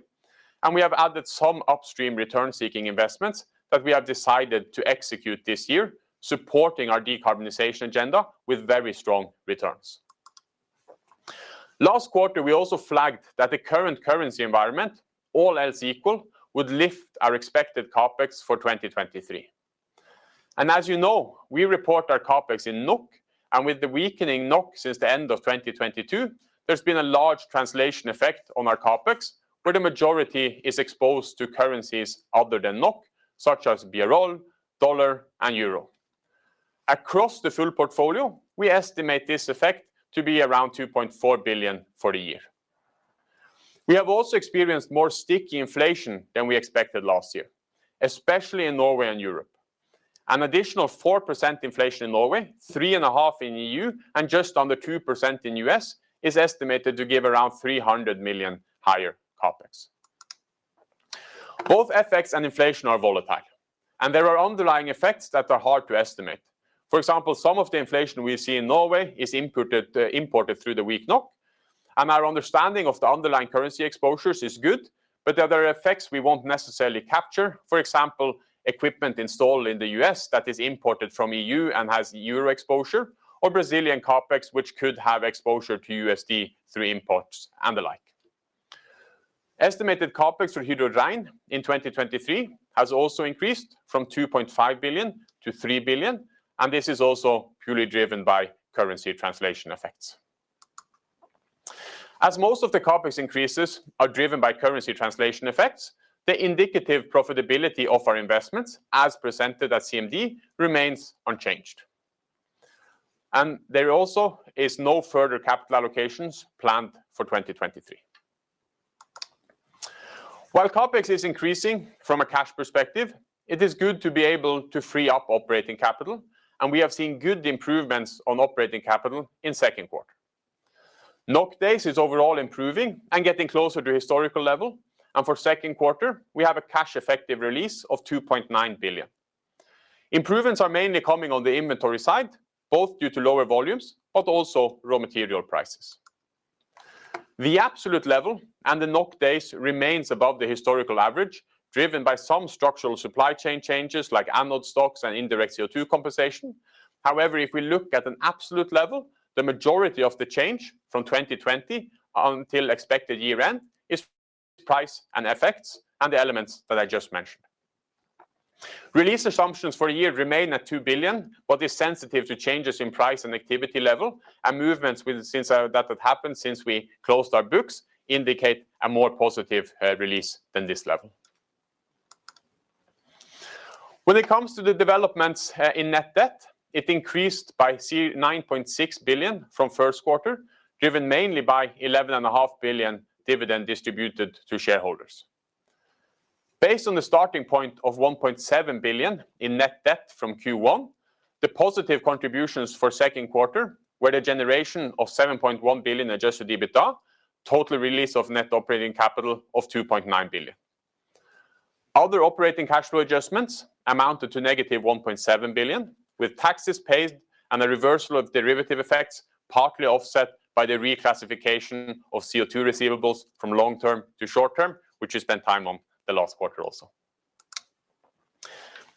We have added some upstream return-seeking investments that we have decided to execute this year, supporting our decarbonization agenda with very strong returns. Last quarter, we also flagged that the current currency environment, all else equal, would lift our expected CapEx for 2023. As you know, we report our CapEx in NOK, and with the weakening NOK since the end of 2022, there's been a large translation effect on our CapEx, where the majority is exposed to currencies other than NOK, such as BRL, USD, and EUR. Across the full portfolio, we estimate this effect to be around 2.4 billion for the year. We have also experienced more sticky inflation than we expected last year, especially in Norway and Europe. An additional 4% inflation in Norway, 3.5% in EU, and just under 2% in US, is estimated to give around 300 million higher CapEx. Both effects and inflation are volatile, and there are underlying effects that are hard to estimate. For example, some of the inflation we see in Norway is inputted, imported through the weak NOK, and our understanding of the underlying currency exposures is good, but there are other effects we won't necessarily capture. For example, equipment installed in the US that is imported from EU and has EUR exposure, or Brazilian CapEx, which could have exposure to USD through imports and the like. Estimated CapEx for Hydro Rein in 2023 has also increased from 2.5 billion to 3 billion, and this is also purely driven by currency translation effects. As most of the CapEx increases are driven by currency translation effects, the indicative profitability of our investments, as presented at CMD, remains unchanged. There also is no further capital allocations planned for 2023. While CapEx is increasing from a cash perspective, it is good to be able to free up operating capital, we have seen good improvements on operating capital in second quarter. NOK days is overall improving and getting closer to historical level, for second quarter, we have a cash effective release of 2.9 billion. Improvements are mainly coming on the inventory side, both due to lower volumes, but also raw material prices. The absolute level and the NOK days remains above the historical average, driven by some structural supply chain changes like anode stocks and indirect CO₂ compensation. However, if we look at an absolute level, the majority of the change from 2020 until expected year-end is price and effects and the elements that I just mentioned. Release assumptions for a year remain at 2 billion. Is sensitive to changes in price and activity level, movements with since that have happened since we closed our books indicate a more positive release than this level. When it comes to the developments in net debt, it increased by 9.6 billion from first quarter, driven mainly by 11.5 billion dividend distributed to shareholders. Based on the starting point of 1.7 billion in net debt from Q1, the positive contributions for second quarter were the generation of 7.1 billion adjusted EBITDA, total release of net operating capital of 2.9 billion. Other operating cash flow adjustments amounted to -1.7 billion, with taxes paid and a reversal of derivative effects, partly offset by the reclassification of CO₂ receivables from long-term to short-term, which we spent time on the last quarter, also.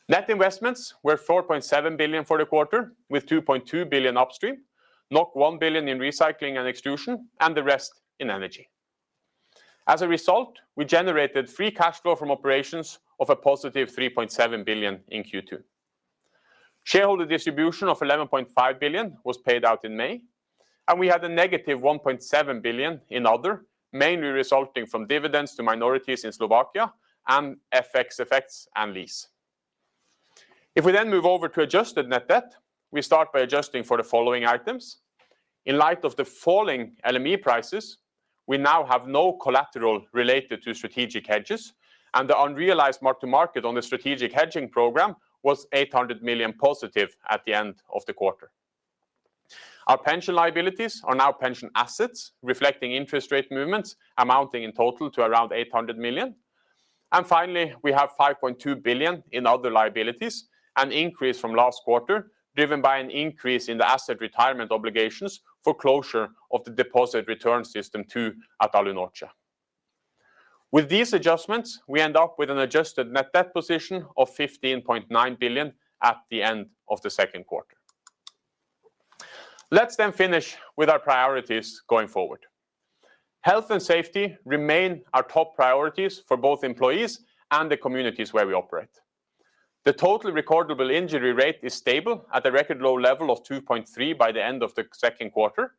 Net investments were 4.7 billion for the quarter, with 2.2 billion upstream, 1 billion in recycling and extrusion, and the rest in energy. As a result, we generated free cash flow from operations of a positive 3.7 billion in Q2. Shareholder distribution of 11.5 billion was paid out in May, and we had a -1.7 billion in other, mainly resulting from dividends to minorities in Slovakia and FX effects and lease. If we then move over to adjusted net debt, we start by adjusting for the following items. In light of the falling LME prices, we now have no collateral related to strategic hedges, the unrealized mark to market on the strategic hedging program was 800 million positive at the end of the quarter. Our pension liabilities are now pension assets, reflecting interest rate movements amounting in total to around 800 million. Finally, we have 5.2 billion in other liabilities, an increase from last quarter, driven by an increase in the asset retirement obligations for closure of the deposit return system two at Alunorte. With these adjustments, we end up with an adjusted net debt position of 15.9 billion at the end of the second quarter. Let's finish with our priorities going forward. Health and safety remain our top priorities for both employees and the communities where we operate. The total recordable injury rate is stable at a record low level of 2.3 by the end of the second quarter.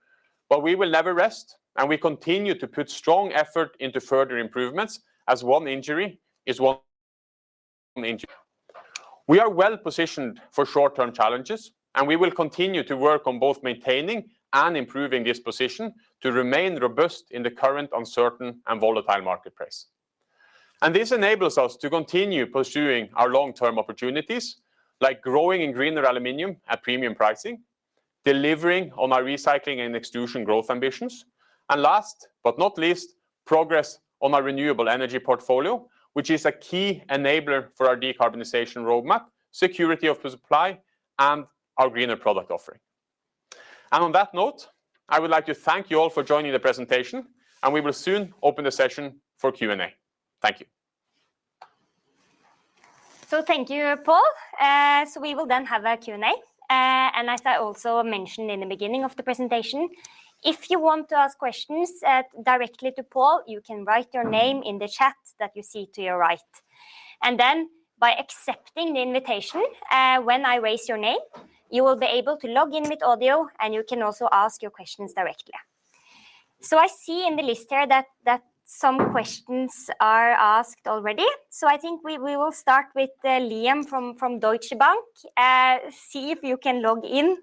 We will never rest, and we continue to put strong effort into further improvements, as one injury is one injury. We are well-positioned for short-term challenges. We will continue to work on both maintaining and improving this position to remain robust in the current uncertain and volatile market price. This enables us to continue pursuing our long-term opportunities, like growing in greener aluminum at premium pricing, delivering on our recycling and extrusion growth ambitions, and last but not least, progress on our renewable energy portfolio, which is a key enabler for our decarbonization roadmap, security of the supply, and our greener product offering. On that note, I would like to thank you all for joining the presentation, and we will soon open the session for Q&A. Thank you. Thank you, Pål. We will then have a Q&A. As I also mentioned in the beginning of the presentation, if you want to ask questions directly to Pål, you can write your name in the chat that you see to your right. Then by accepting the invitation, when I raise your name, you will be able to log in with audio, and you can also ask your questions directly. I see in the list here that some questions are asked already. I think we will start with Liam from Deutsche Bank. See if you can log in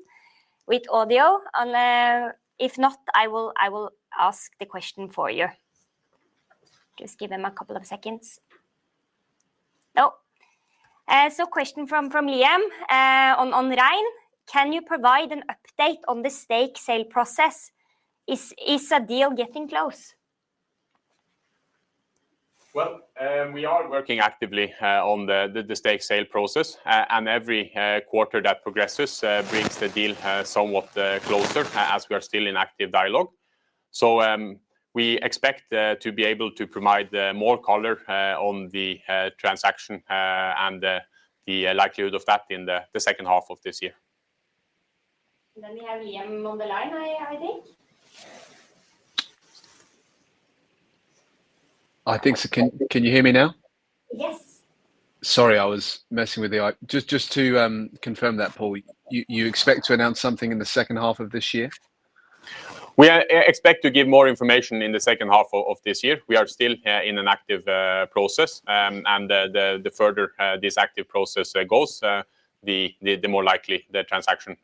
with audio, and if not, I will ask the question for you. Just give him a couple of seconds. Oh, question from Liam on Rein. Can you provide an update on the stake sale process? Is a deal getting close? We are working actively on the stake sale process, and every quarter that progresses brings the deal somewhat closer, as we are still in active dialogue. We expect to be able to provide more color on the transaction and the likelihood of that in the second half of this year. We have Liam on the line, I think. I think so. Can you hear me now? Yes. Sorry, I was messing with the Just to confirm that, Pål, you expect to announce something in the second half of this year? We expect to give more information in the second half of this year. We are still in an active process, the further this active process goes, the more likely the transaction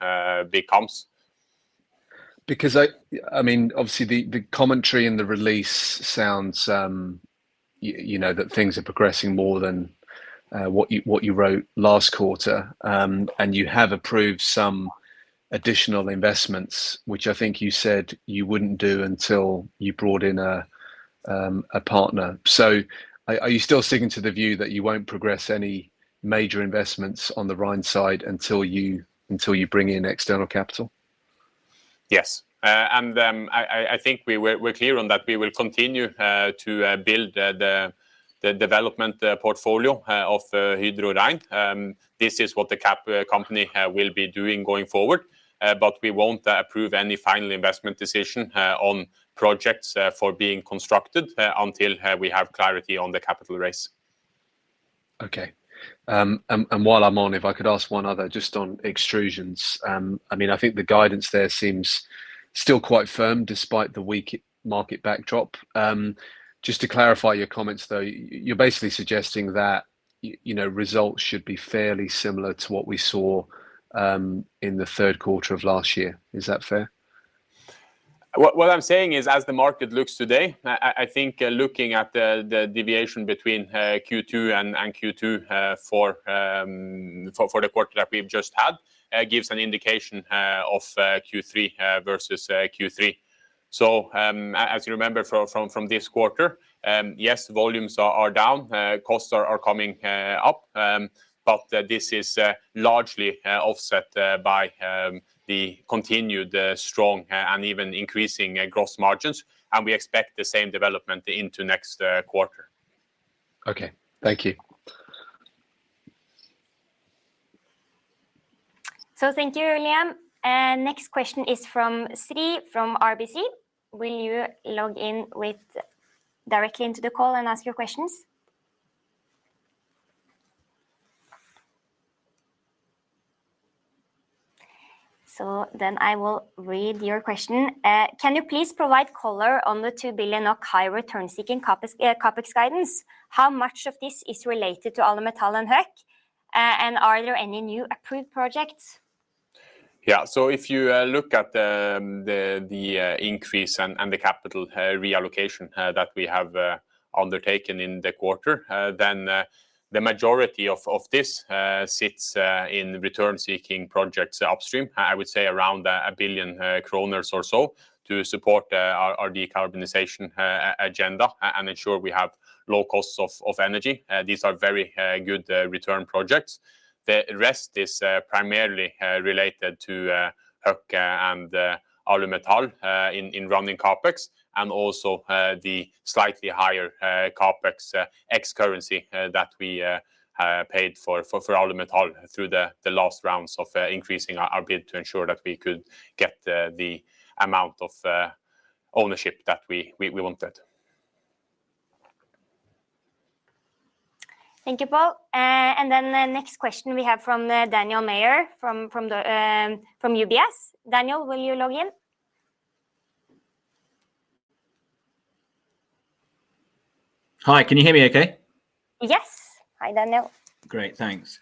becomes. I mean, obviously, the commentary and the release sounds, you know, that things are progressing more than what you wrote last quarter. You have approved some additional investments, which I think you said you wouldn't do until you brought in a partner. Are you still sticking to the view that you won't progress any major investments on the Rhine side until you bring in external capital? Yes. I think we're clear on that. We will continue to build the development portfolio of Hydro Rein. This is what the company will be doing going forward, but we won't approve any final investment decision on projects for being constructed until we have clarity on the capital raise. Okay. While I'm on, if I could ask one other just on extrusions. I mean, I think the guidance there seems still quite firm, despite the weak market backdrop. Just to clarify your comments, though, you're basically suggesting that you know, results should be fairly similar to what we saw in the third quarter of last year. Is that fair? What I'm saying is, as the market looks today, I think looking at the deviation between Q2 and Q2 for the quarter that we've just had gives an indication of Q3 versus Q3. As you remember from this quarter, yes, volumes are down, costs are coming up, but this is largely offset by the continued strong and even increasing gross margins, and we expect the same development into next quarter. Okay. Thank you. Thank you, Liam. Next question is from Sri, from RBC. Will you log in directly into the call and ask your questions? Then I will read your question. Can you please provide color on the 2 billion or high return seeking CapEx guidance? How much of this is related to Alumetal and Hueck? Are there any new approved projects? If you look at the increase and the capital reallocation that we have undertaken in the quarter, then the majority of this sits in return-seeking projects upstream. I would say around 1 billion kroner or so, to support our decarbonization agenda and ensure we have low costs of energy. These are very good return projects. The rest is primarily related to Hueck and Alumetal in running CapEx, and also the slightly higher CapEx ex-currency that we paid for Alumetal through the last rounds of increasing our bid to ensure that we could get the amount of ownership that we wanted. Thank you, Pål. The next question we have from Daniel Major, from UBS. Daniel, will you log in? Hi, can you hear me okay? Yes. Hi, Daniel. Great, thanks.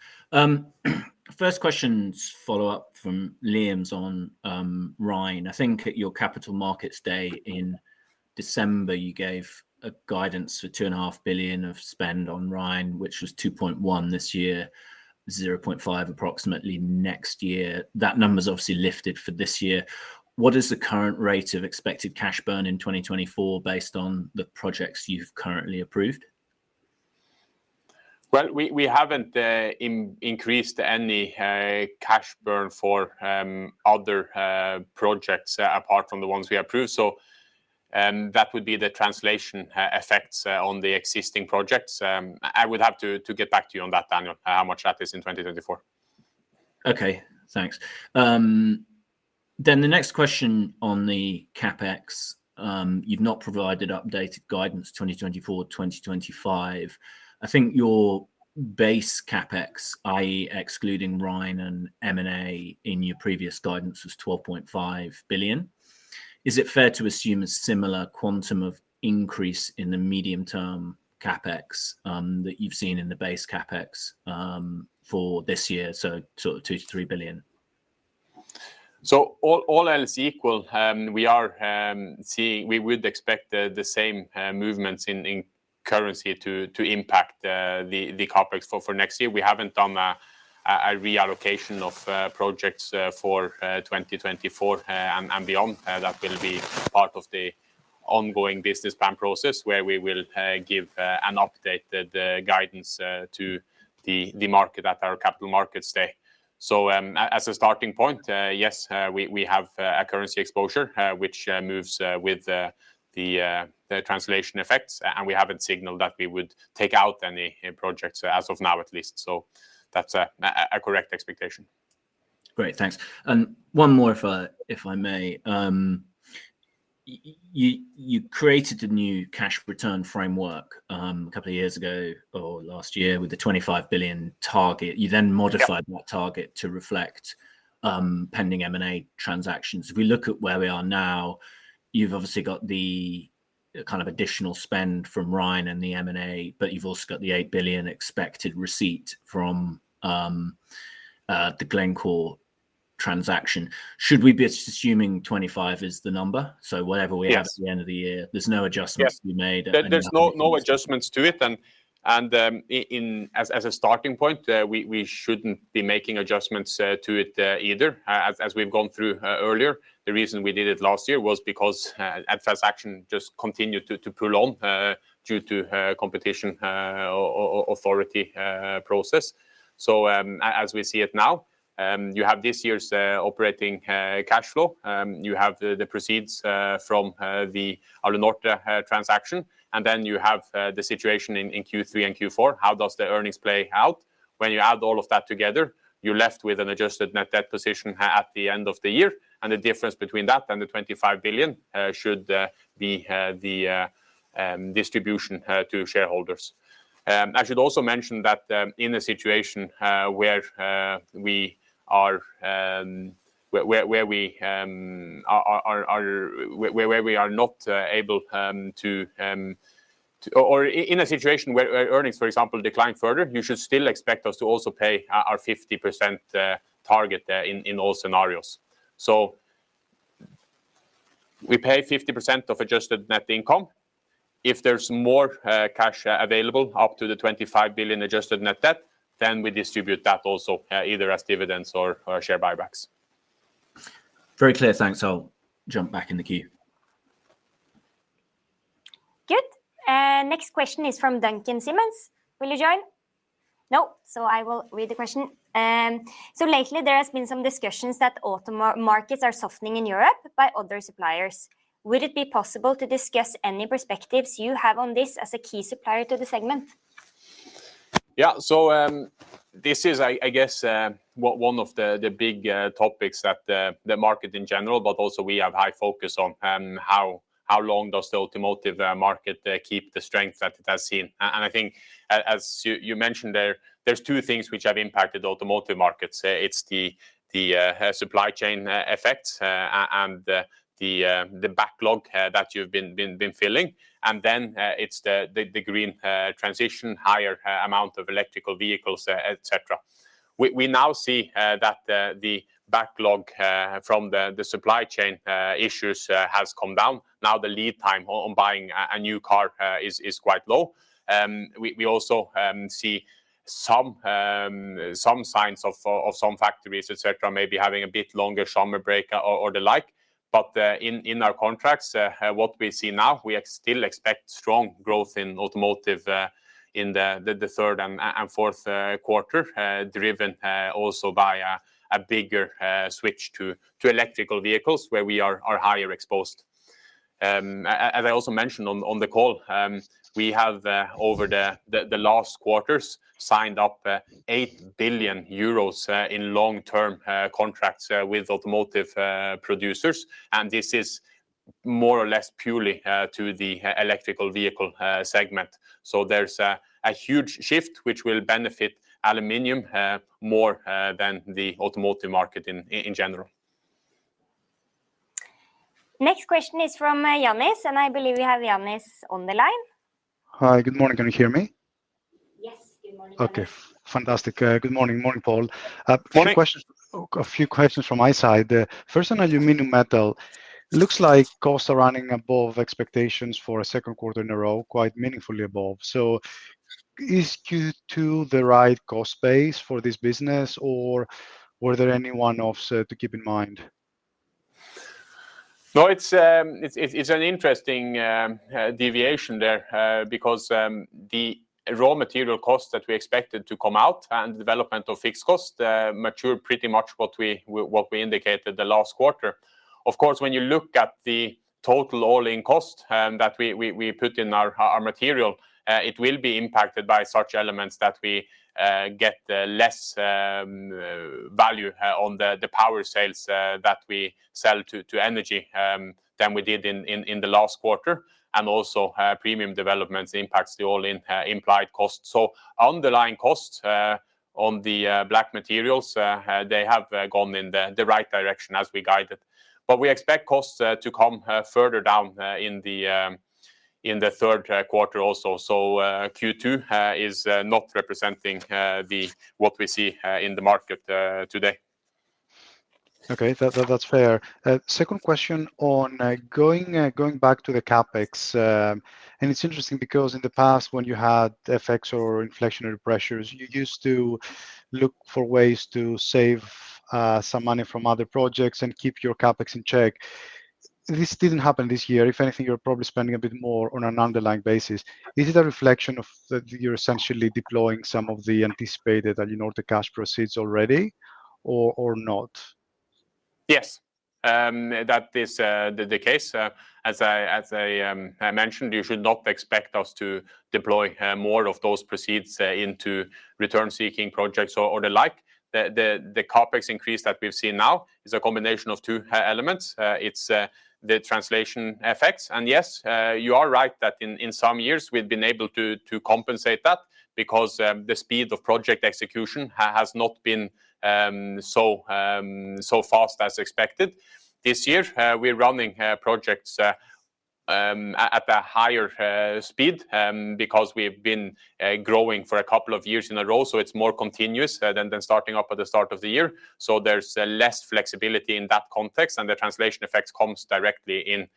First questions follow up from Liam on Hydro Rein. I think at your Capital Markets Day in December, you gave a guidance for 2.5 billion of spend on Hydro Rein, which was 2.1 billion this year, 0.5 billion approximately next year. That number is obviously lifted for this year. What is the current rate of expected cash burn in 2024, based on the projects you've currently approved? Well, we haven't increased any cash burn for other projects apart from the ones we approved. That would be the translation effects on the existing projects. I would have to get back to you on that, Daniel, how much that is in 2024. Okay, thanks. The next question on the CapEx, you've not provided updated guidance for 2024, 2025. I think your base CapEx, i.e., excluding Rein and M&A in your previous guidance, was 12.5 billion. Is it fair to assume a similar quantum of increase in the medium-term CapEx, that you've seen in the base CapEx, for this year, so sort of 2 billion-3 billion? All else equal, we are, we would expect the same movements in currency to impact the CapEx for next year. We haven't done a reallocation of projects for 2024 and beyond. That will be part of the ongoing business plan process, where we will give an updated guidance to the market at our Capital Markets Day. As a starting point, yes, we have a currency exposure which moves with the translation effects, and we haven't signaled that we would take out any projects as of now at least. That's a correct expectation. Great, thanks. One more if I may? You created a new cash return framework, a couple of years ago, or last year, with the 25 billion target. You then modified that target to reflect pending M&A transactions. If we look at where we are now, you've obviously got the kind of additional spend from Hydro Rein and the M&A, but you've also got the 8 billion expected receipt from the Glencore transaction. Should we be assuming 25 is the number? Whatever we. Yes Have at the end of the year, there's no adjustments. Yes To be made? There's no adjustments to it. In as a starting point, we shouldn't be making adjustments to it either. As we've gone through earlier, the reason we did it last year was because transaction just continued to prolong due to competition authority process. As we see it now, you have this year's operating cash flow, you have the proceeds from the Alunorte transaction, and then you have the situation in Q3 and Q4, how does the earnings play out? When you add all of that together, you're left with an adjusted net debt position at the end of the year, and the difference between that and the 25 billion should be the distribution to shareholders. I should also mention that in a situation where we are not able to or in a situation where earnings, for example, decline further, you should still expect us to also pay our 50% target in all scenarios. We pay 50% of adjusted net income. If there's more cash available, up to the 25 billion adjusted net debt, we distribute that also either as dividends or share buybacks. Very clear, thanks. I'll jump back in the queue. Good. next question is from Duncan Simmons. Will you join? No, I will read the question. "Lately there has been some discussions that auto markets are softening in Europe by other suppliers. Would it be possible to discuss any perspectives you have on this as a key supplier to the segment? This is, I guess, one of the big topics that the market in general, but also we have high focus on, how long does the automotive market keep the strength that it has seen? I think as you mentioned, there's 2 things which have impacted automotive markets. It's the supply chain effects and the backlog that you've been filling, then it's the green transition, higher amount of electrical vehicles, et cetera. We now see that the backlog from the supply chain issues has come down. The lead time on buying a new car is quite low. We also see some signs of some factories, et cetera, maybe having a bit longer summer break or the like, but in our contracts, what we see now, we still expect strong growth in automotive in the third and fourth quarter, driven also by a bigger switch to electrical vehicles, where we are higher exposed. As I also mentioned on the call, we have over the last quarters, signed up 8 billion euros in long-term contracts with automotive producers, and this is more or less purely to the electrical vehicle segment. There's a huge shift which will benefit aluminum more than the automotive market in general. Next question is from Yannis, and I believe we have Yannis on the line. Hi, good morning. Can you hear me? Yes, good morning, Yannis. Okay, fantastic. Good morning. Morning, Pål. Morning. A few questions from my side. First, on aluminum metal, it looks like costs are running above expectations for a second quarter in a row, quite meaningfully above. Is Q2 the right cost base for this business, or were there any one-offs to keep in mind? No, it's an interesting deviation there, because the raw material costs that we expected to come out and development of fixed costs, mature pretty much what we indicated the last quarter. Of course, when you look at the total all-in cost that we put in our material, it will be impacted by such elements that we get less value on the power sales that we sell to energy than we did in the last quarter, and also, premium developments impacts the all-in implied cost. Underlying costs on the black materials, they have gone in the right direction as we guided. We expect costs to come further down in the third quarter also. Q2 is not representing what we see in the market today. Okay, that's fair. Second question on going back to the CapEx. It's interesting because in the past, when you had effects or inflationary pressures, you used to look for ways to save some money from other projects and keep your CapEx in check. This didn't happen this year. If anything, you're probably spending a bit more on an underlying basis. This is a reflection of that you're essentially deploying some of the anticipated Alunorte cash proceeds already or not? Yes, that is the case. As I mentioned, you should not expect us to deploy more of those proceeds into return-seeking projects or the like. The CapEx increase that we've seen now is a combination of two elements. It's the translation effects, and yes, you are right that in some years we've been able to compensate that because the speed of project execution has not been so fast as expected. This year, we're running projects at a higher speed because we've been growing for a couple of years in a row, so it's more continuous than starting up at the start of the year. There's less flexibility in that context, and the translation effect comes directly in.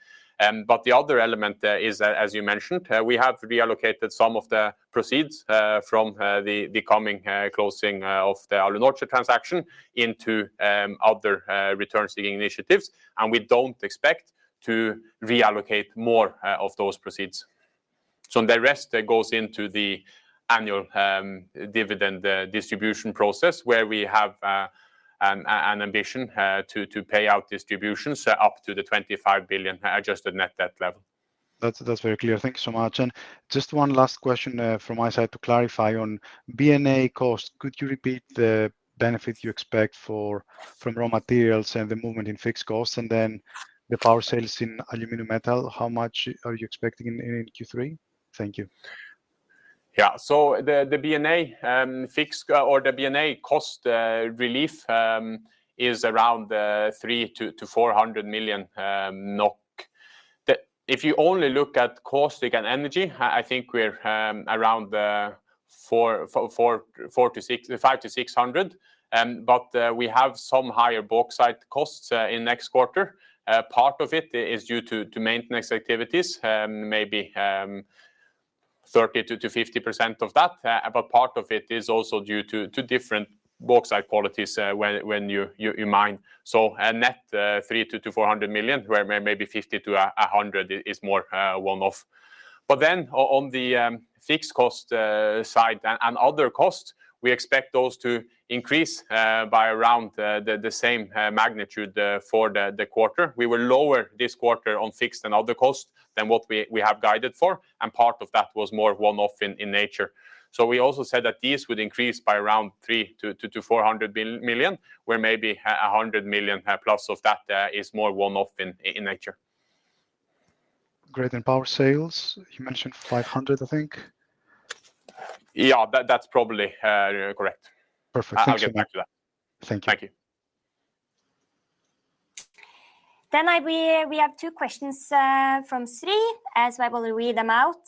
The other element is that, as you mentioned, we have reallocated some of the proceeds from the coming closing of the Alunorte transaction into other return-seeking initiatives, and we don't expect to reallocate more of those proceeds. The rest goes into the annual dividend distribution process, where we have an ambition to pay out distributions up to the 25 billion adjusted net debt level. That's very clear. Thank you so much. Just one last question from my side to clarify on BNA cost, could you repeat the benefit you expect from raw materials and the movement in fixed costs, and then the power sales in aluminum metal? How much are you expecting in Q3? Thank you. The BNA cost relief is around 300 million-400 million NOK. If you only look at caustic and energy, I think we're around 500 million-600 million, we have some higher bauxite costs in next quarter. Part of it is due to maintenance activities, maybe 30%-50% of that, part of it is also due to different bauxite qualities when you mine. A net 300 million-400 million, where maybe 50 million-100 million is more one-off. On the fixed cost side and other costs, we expect those to increase by around the same magnitude for the quarter. We were lower this quarter on fixed and other costs than what we have guided for, and part of that was more one-off in nature. We also said that these would increase by around 300 million-400 million, where maybe 100 million plus of that is more one-off in nature. Great, power sales, you mentioned 500, I think? Yeah, that's probably correct. Perfect. Thank you. I'll get back to that. Thank you. Thank you. We have two questions from Sri, as I will read them out.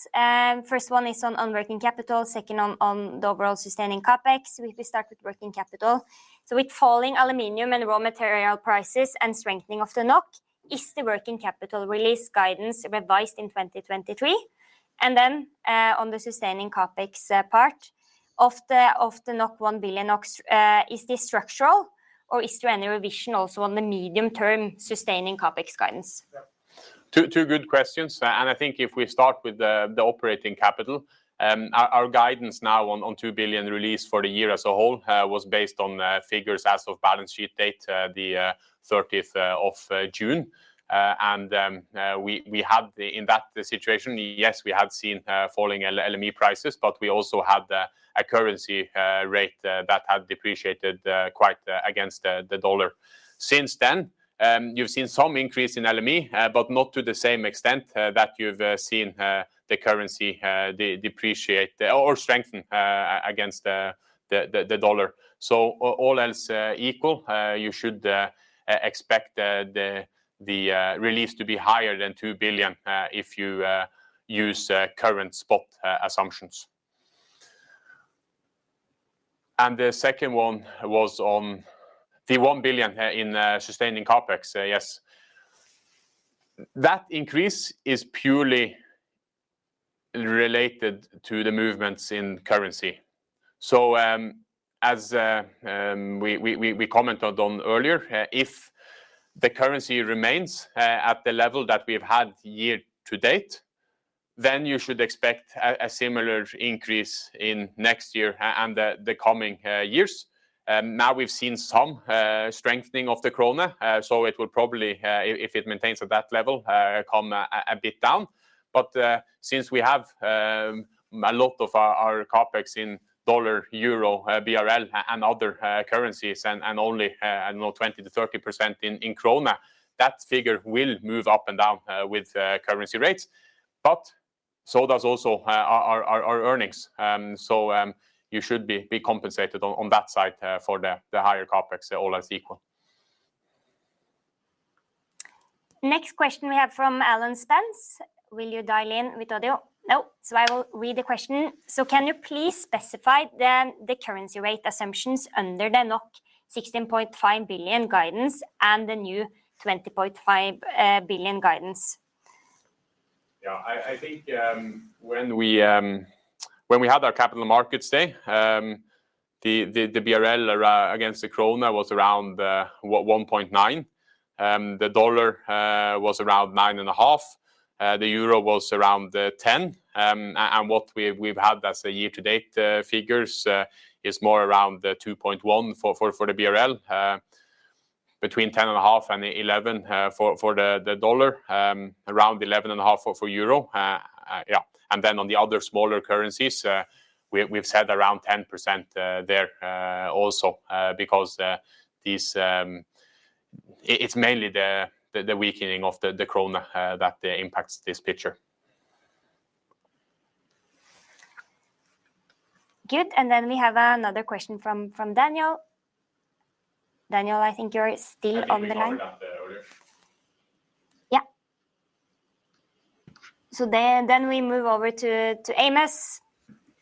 First one is on working capital, second on the overall sustaining CapEx. We start with working capital. "With falling aluminium and raw material prices and strengthening of the NOK, is the working capital release guidance revised in 2023?" On the sustaining CapEx part, "Of the 1 billion NOK NOK, is this structural, or is there any revision also on the medium-term sustaining CapEx guidance? Two good questions. I think if we start with the operating capital, our guidance now on 2 billion release for the year as a whole was based on figures as of balance sheet date, the 30th of June. In that situation, yes, we had seen falling LME prices, but we also had a currency rate that had depreciated quite against the dollar. Since then, you've seen some increase in LME, but not to the same extent that you've seen the currency depreciate or strengthen against the dollar. All else equal, you should expect the release to be higher than 2 billion if you use current spot assumptions. The second one was on the 1 billion in sustaining CapEx. Yes. That increase is purely related to the movements in currency. As we commented on earlier, if the currency remains at the level that we've had year to date, then you should expect a similar increase in next year and the coming years. Now we've seen some strengthening of the krona, so it will probably, if it maintains at that level, come a bit down. Since we have a lot of our CapEx in USD, EUR, BRL, and other currencies, and only I don't know, 20%-30% in NOK, that figure will move up and down with currency rates, but so does also our earnings. You should be compensated on that side for the higher CapEx, all else equal. Next question we have from Alan Spence. Will you dial in with audio? No. I will read the question. "Can you please specify the currency rate assumptions under the 16.5 billion guidance and the new 20.5 billion guidance? I think, when we, when we had our capital markets day, the BRL against the krona was around 1.9. The dollar was around 9.5. The euro was around 10. What we've had as a year-to-date figures is more around the 2.1 for the BRL, between 10.5-11 for the dollar, around 11.5 for euro. On the other smaller currencies, we've said around 10% there also because these it's mainly the weakening of the krona that impacts this picture. Good, and then we have another question from Daniel. Daniel, I think you're still on the line. Can you hear me out there, Oliver? Yeah. then we move over to Amos.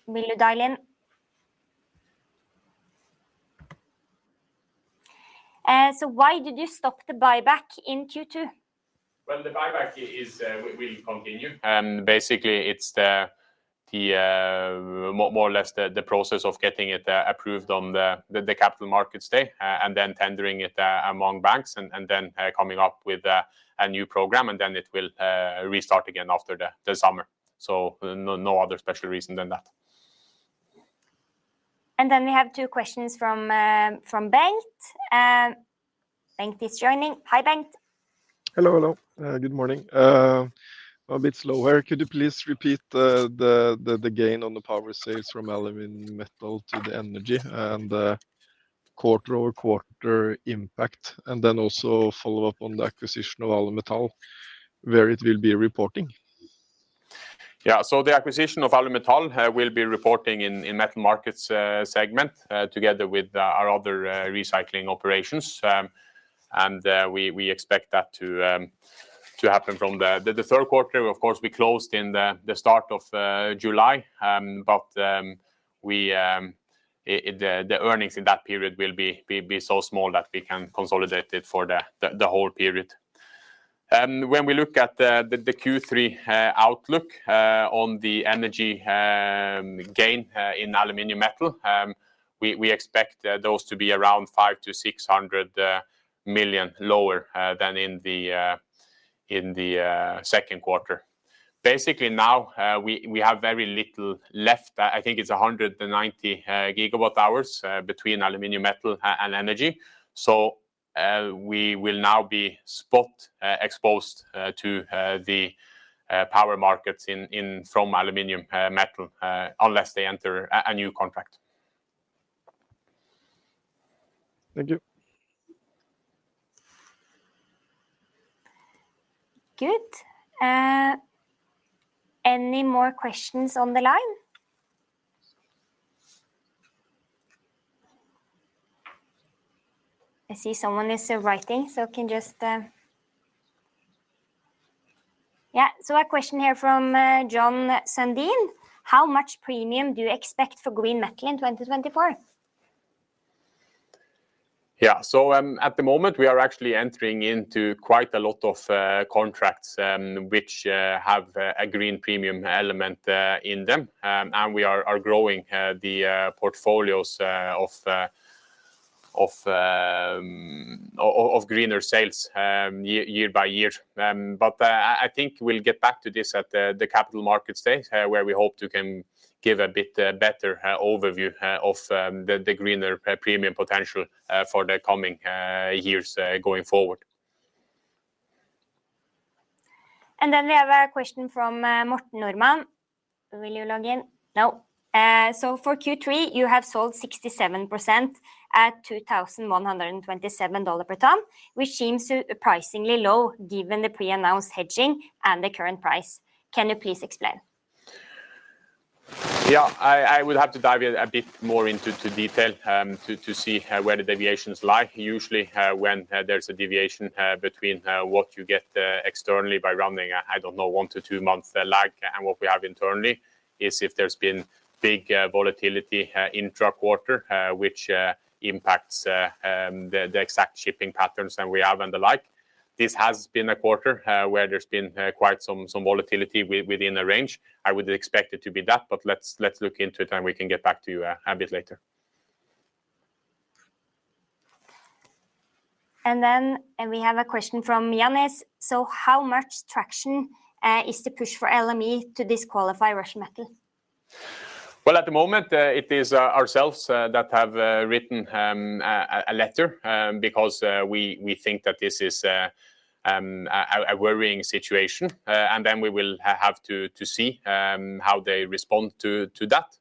Will you dial in? Why did you stop the buyback in Q2? The buyback will continue, basically it's the more or less the process of getting it approved on the Capital Markets Day, and then tendering it among banks, and then coming up with a new program, and then it will restart again after the summer. No other special reason than that. We have two questions from Bengt. Bengt is joining. Hi, Bengt. Hello, hello. Good morning. I'm a bit slower. Could you please repeat the gain on the power sales from Alumetal to the energy and quarter-over-quarter impact, and then also follow up on the acquisition of Alumetal, where it will be reporting? Yeah, the acquisition of Alumetal will be reporting in metal markets segment together with our other recycling operations. We expect that to happen from the third quarter. Of course, we closed in the start of July, we the earnings in that period will be so small that we can consolidate it for the whole period. When we look at the Q3 outlook on the energy gain in aluminum metal, we expect those to be around 500-600 million lower than in the second quarter. Basically, now, we have very little left. I think it's 190 GWh between aluminum metal and energy. We will now be spot exposed to the power markets in from aluminum metal unless they enter a new contract. Thank you. Good. Any more questions on the line? I see someone is writing, so can just. Yeah, a question here from Jon Sandine: "How much premium do you expect for green metal in 2024? At the moment, we are actually entering into quite a lot of contracts, which have a green premium element in them. We are growing the portfolios of greener sales year by year. I think we'll get back to this at the Capital Markets Day, where we hope to can give a bit better overview of the greener premium potential for the coming years going forward. Then we have a question from Martin Norman. Will you log in? No. "For Q3, you have sold 67% at $2,127 dollar per ton, which seems surprisingly low, given the pre-announced hedging and the current price. Can you please explain? Yeah, I would have to dive in a bit more into detail to see where the deviations lie. Usually, when there's a deviation between what you get externally by running, I don't know, one-two months lag, and what we have internally, is if there's been big volatility intra-quarter, which impacts the exact shipping patterns than we have and the like. This has been a quarter where there's been quite some volatility within the range. I would expect it to be that, but let's look into it, and we can get back to you a bit later. We have a question from Yannis: "How much traction is the push for LME to disqualify Russian metal? At the moment, it is ourselves that have written a letter, because we think that this is a worrying situation, and then we will have to see, how they respond to that.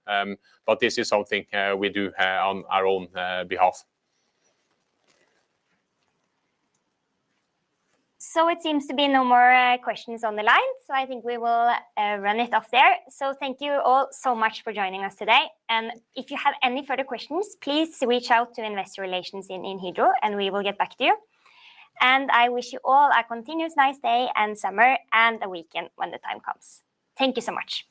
This is something we do on our own behalf. It seems to be no more questions on the line, so I think we will run it off there. Thank you all so much for joining us today, and if you have any further questions, please reach out to Investor Relations in Hydro, and we will get back to you. I wish you all a continuous nice day and summer, and a weekend when the time comes. Thank you so much.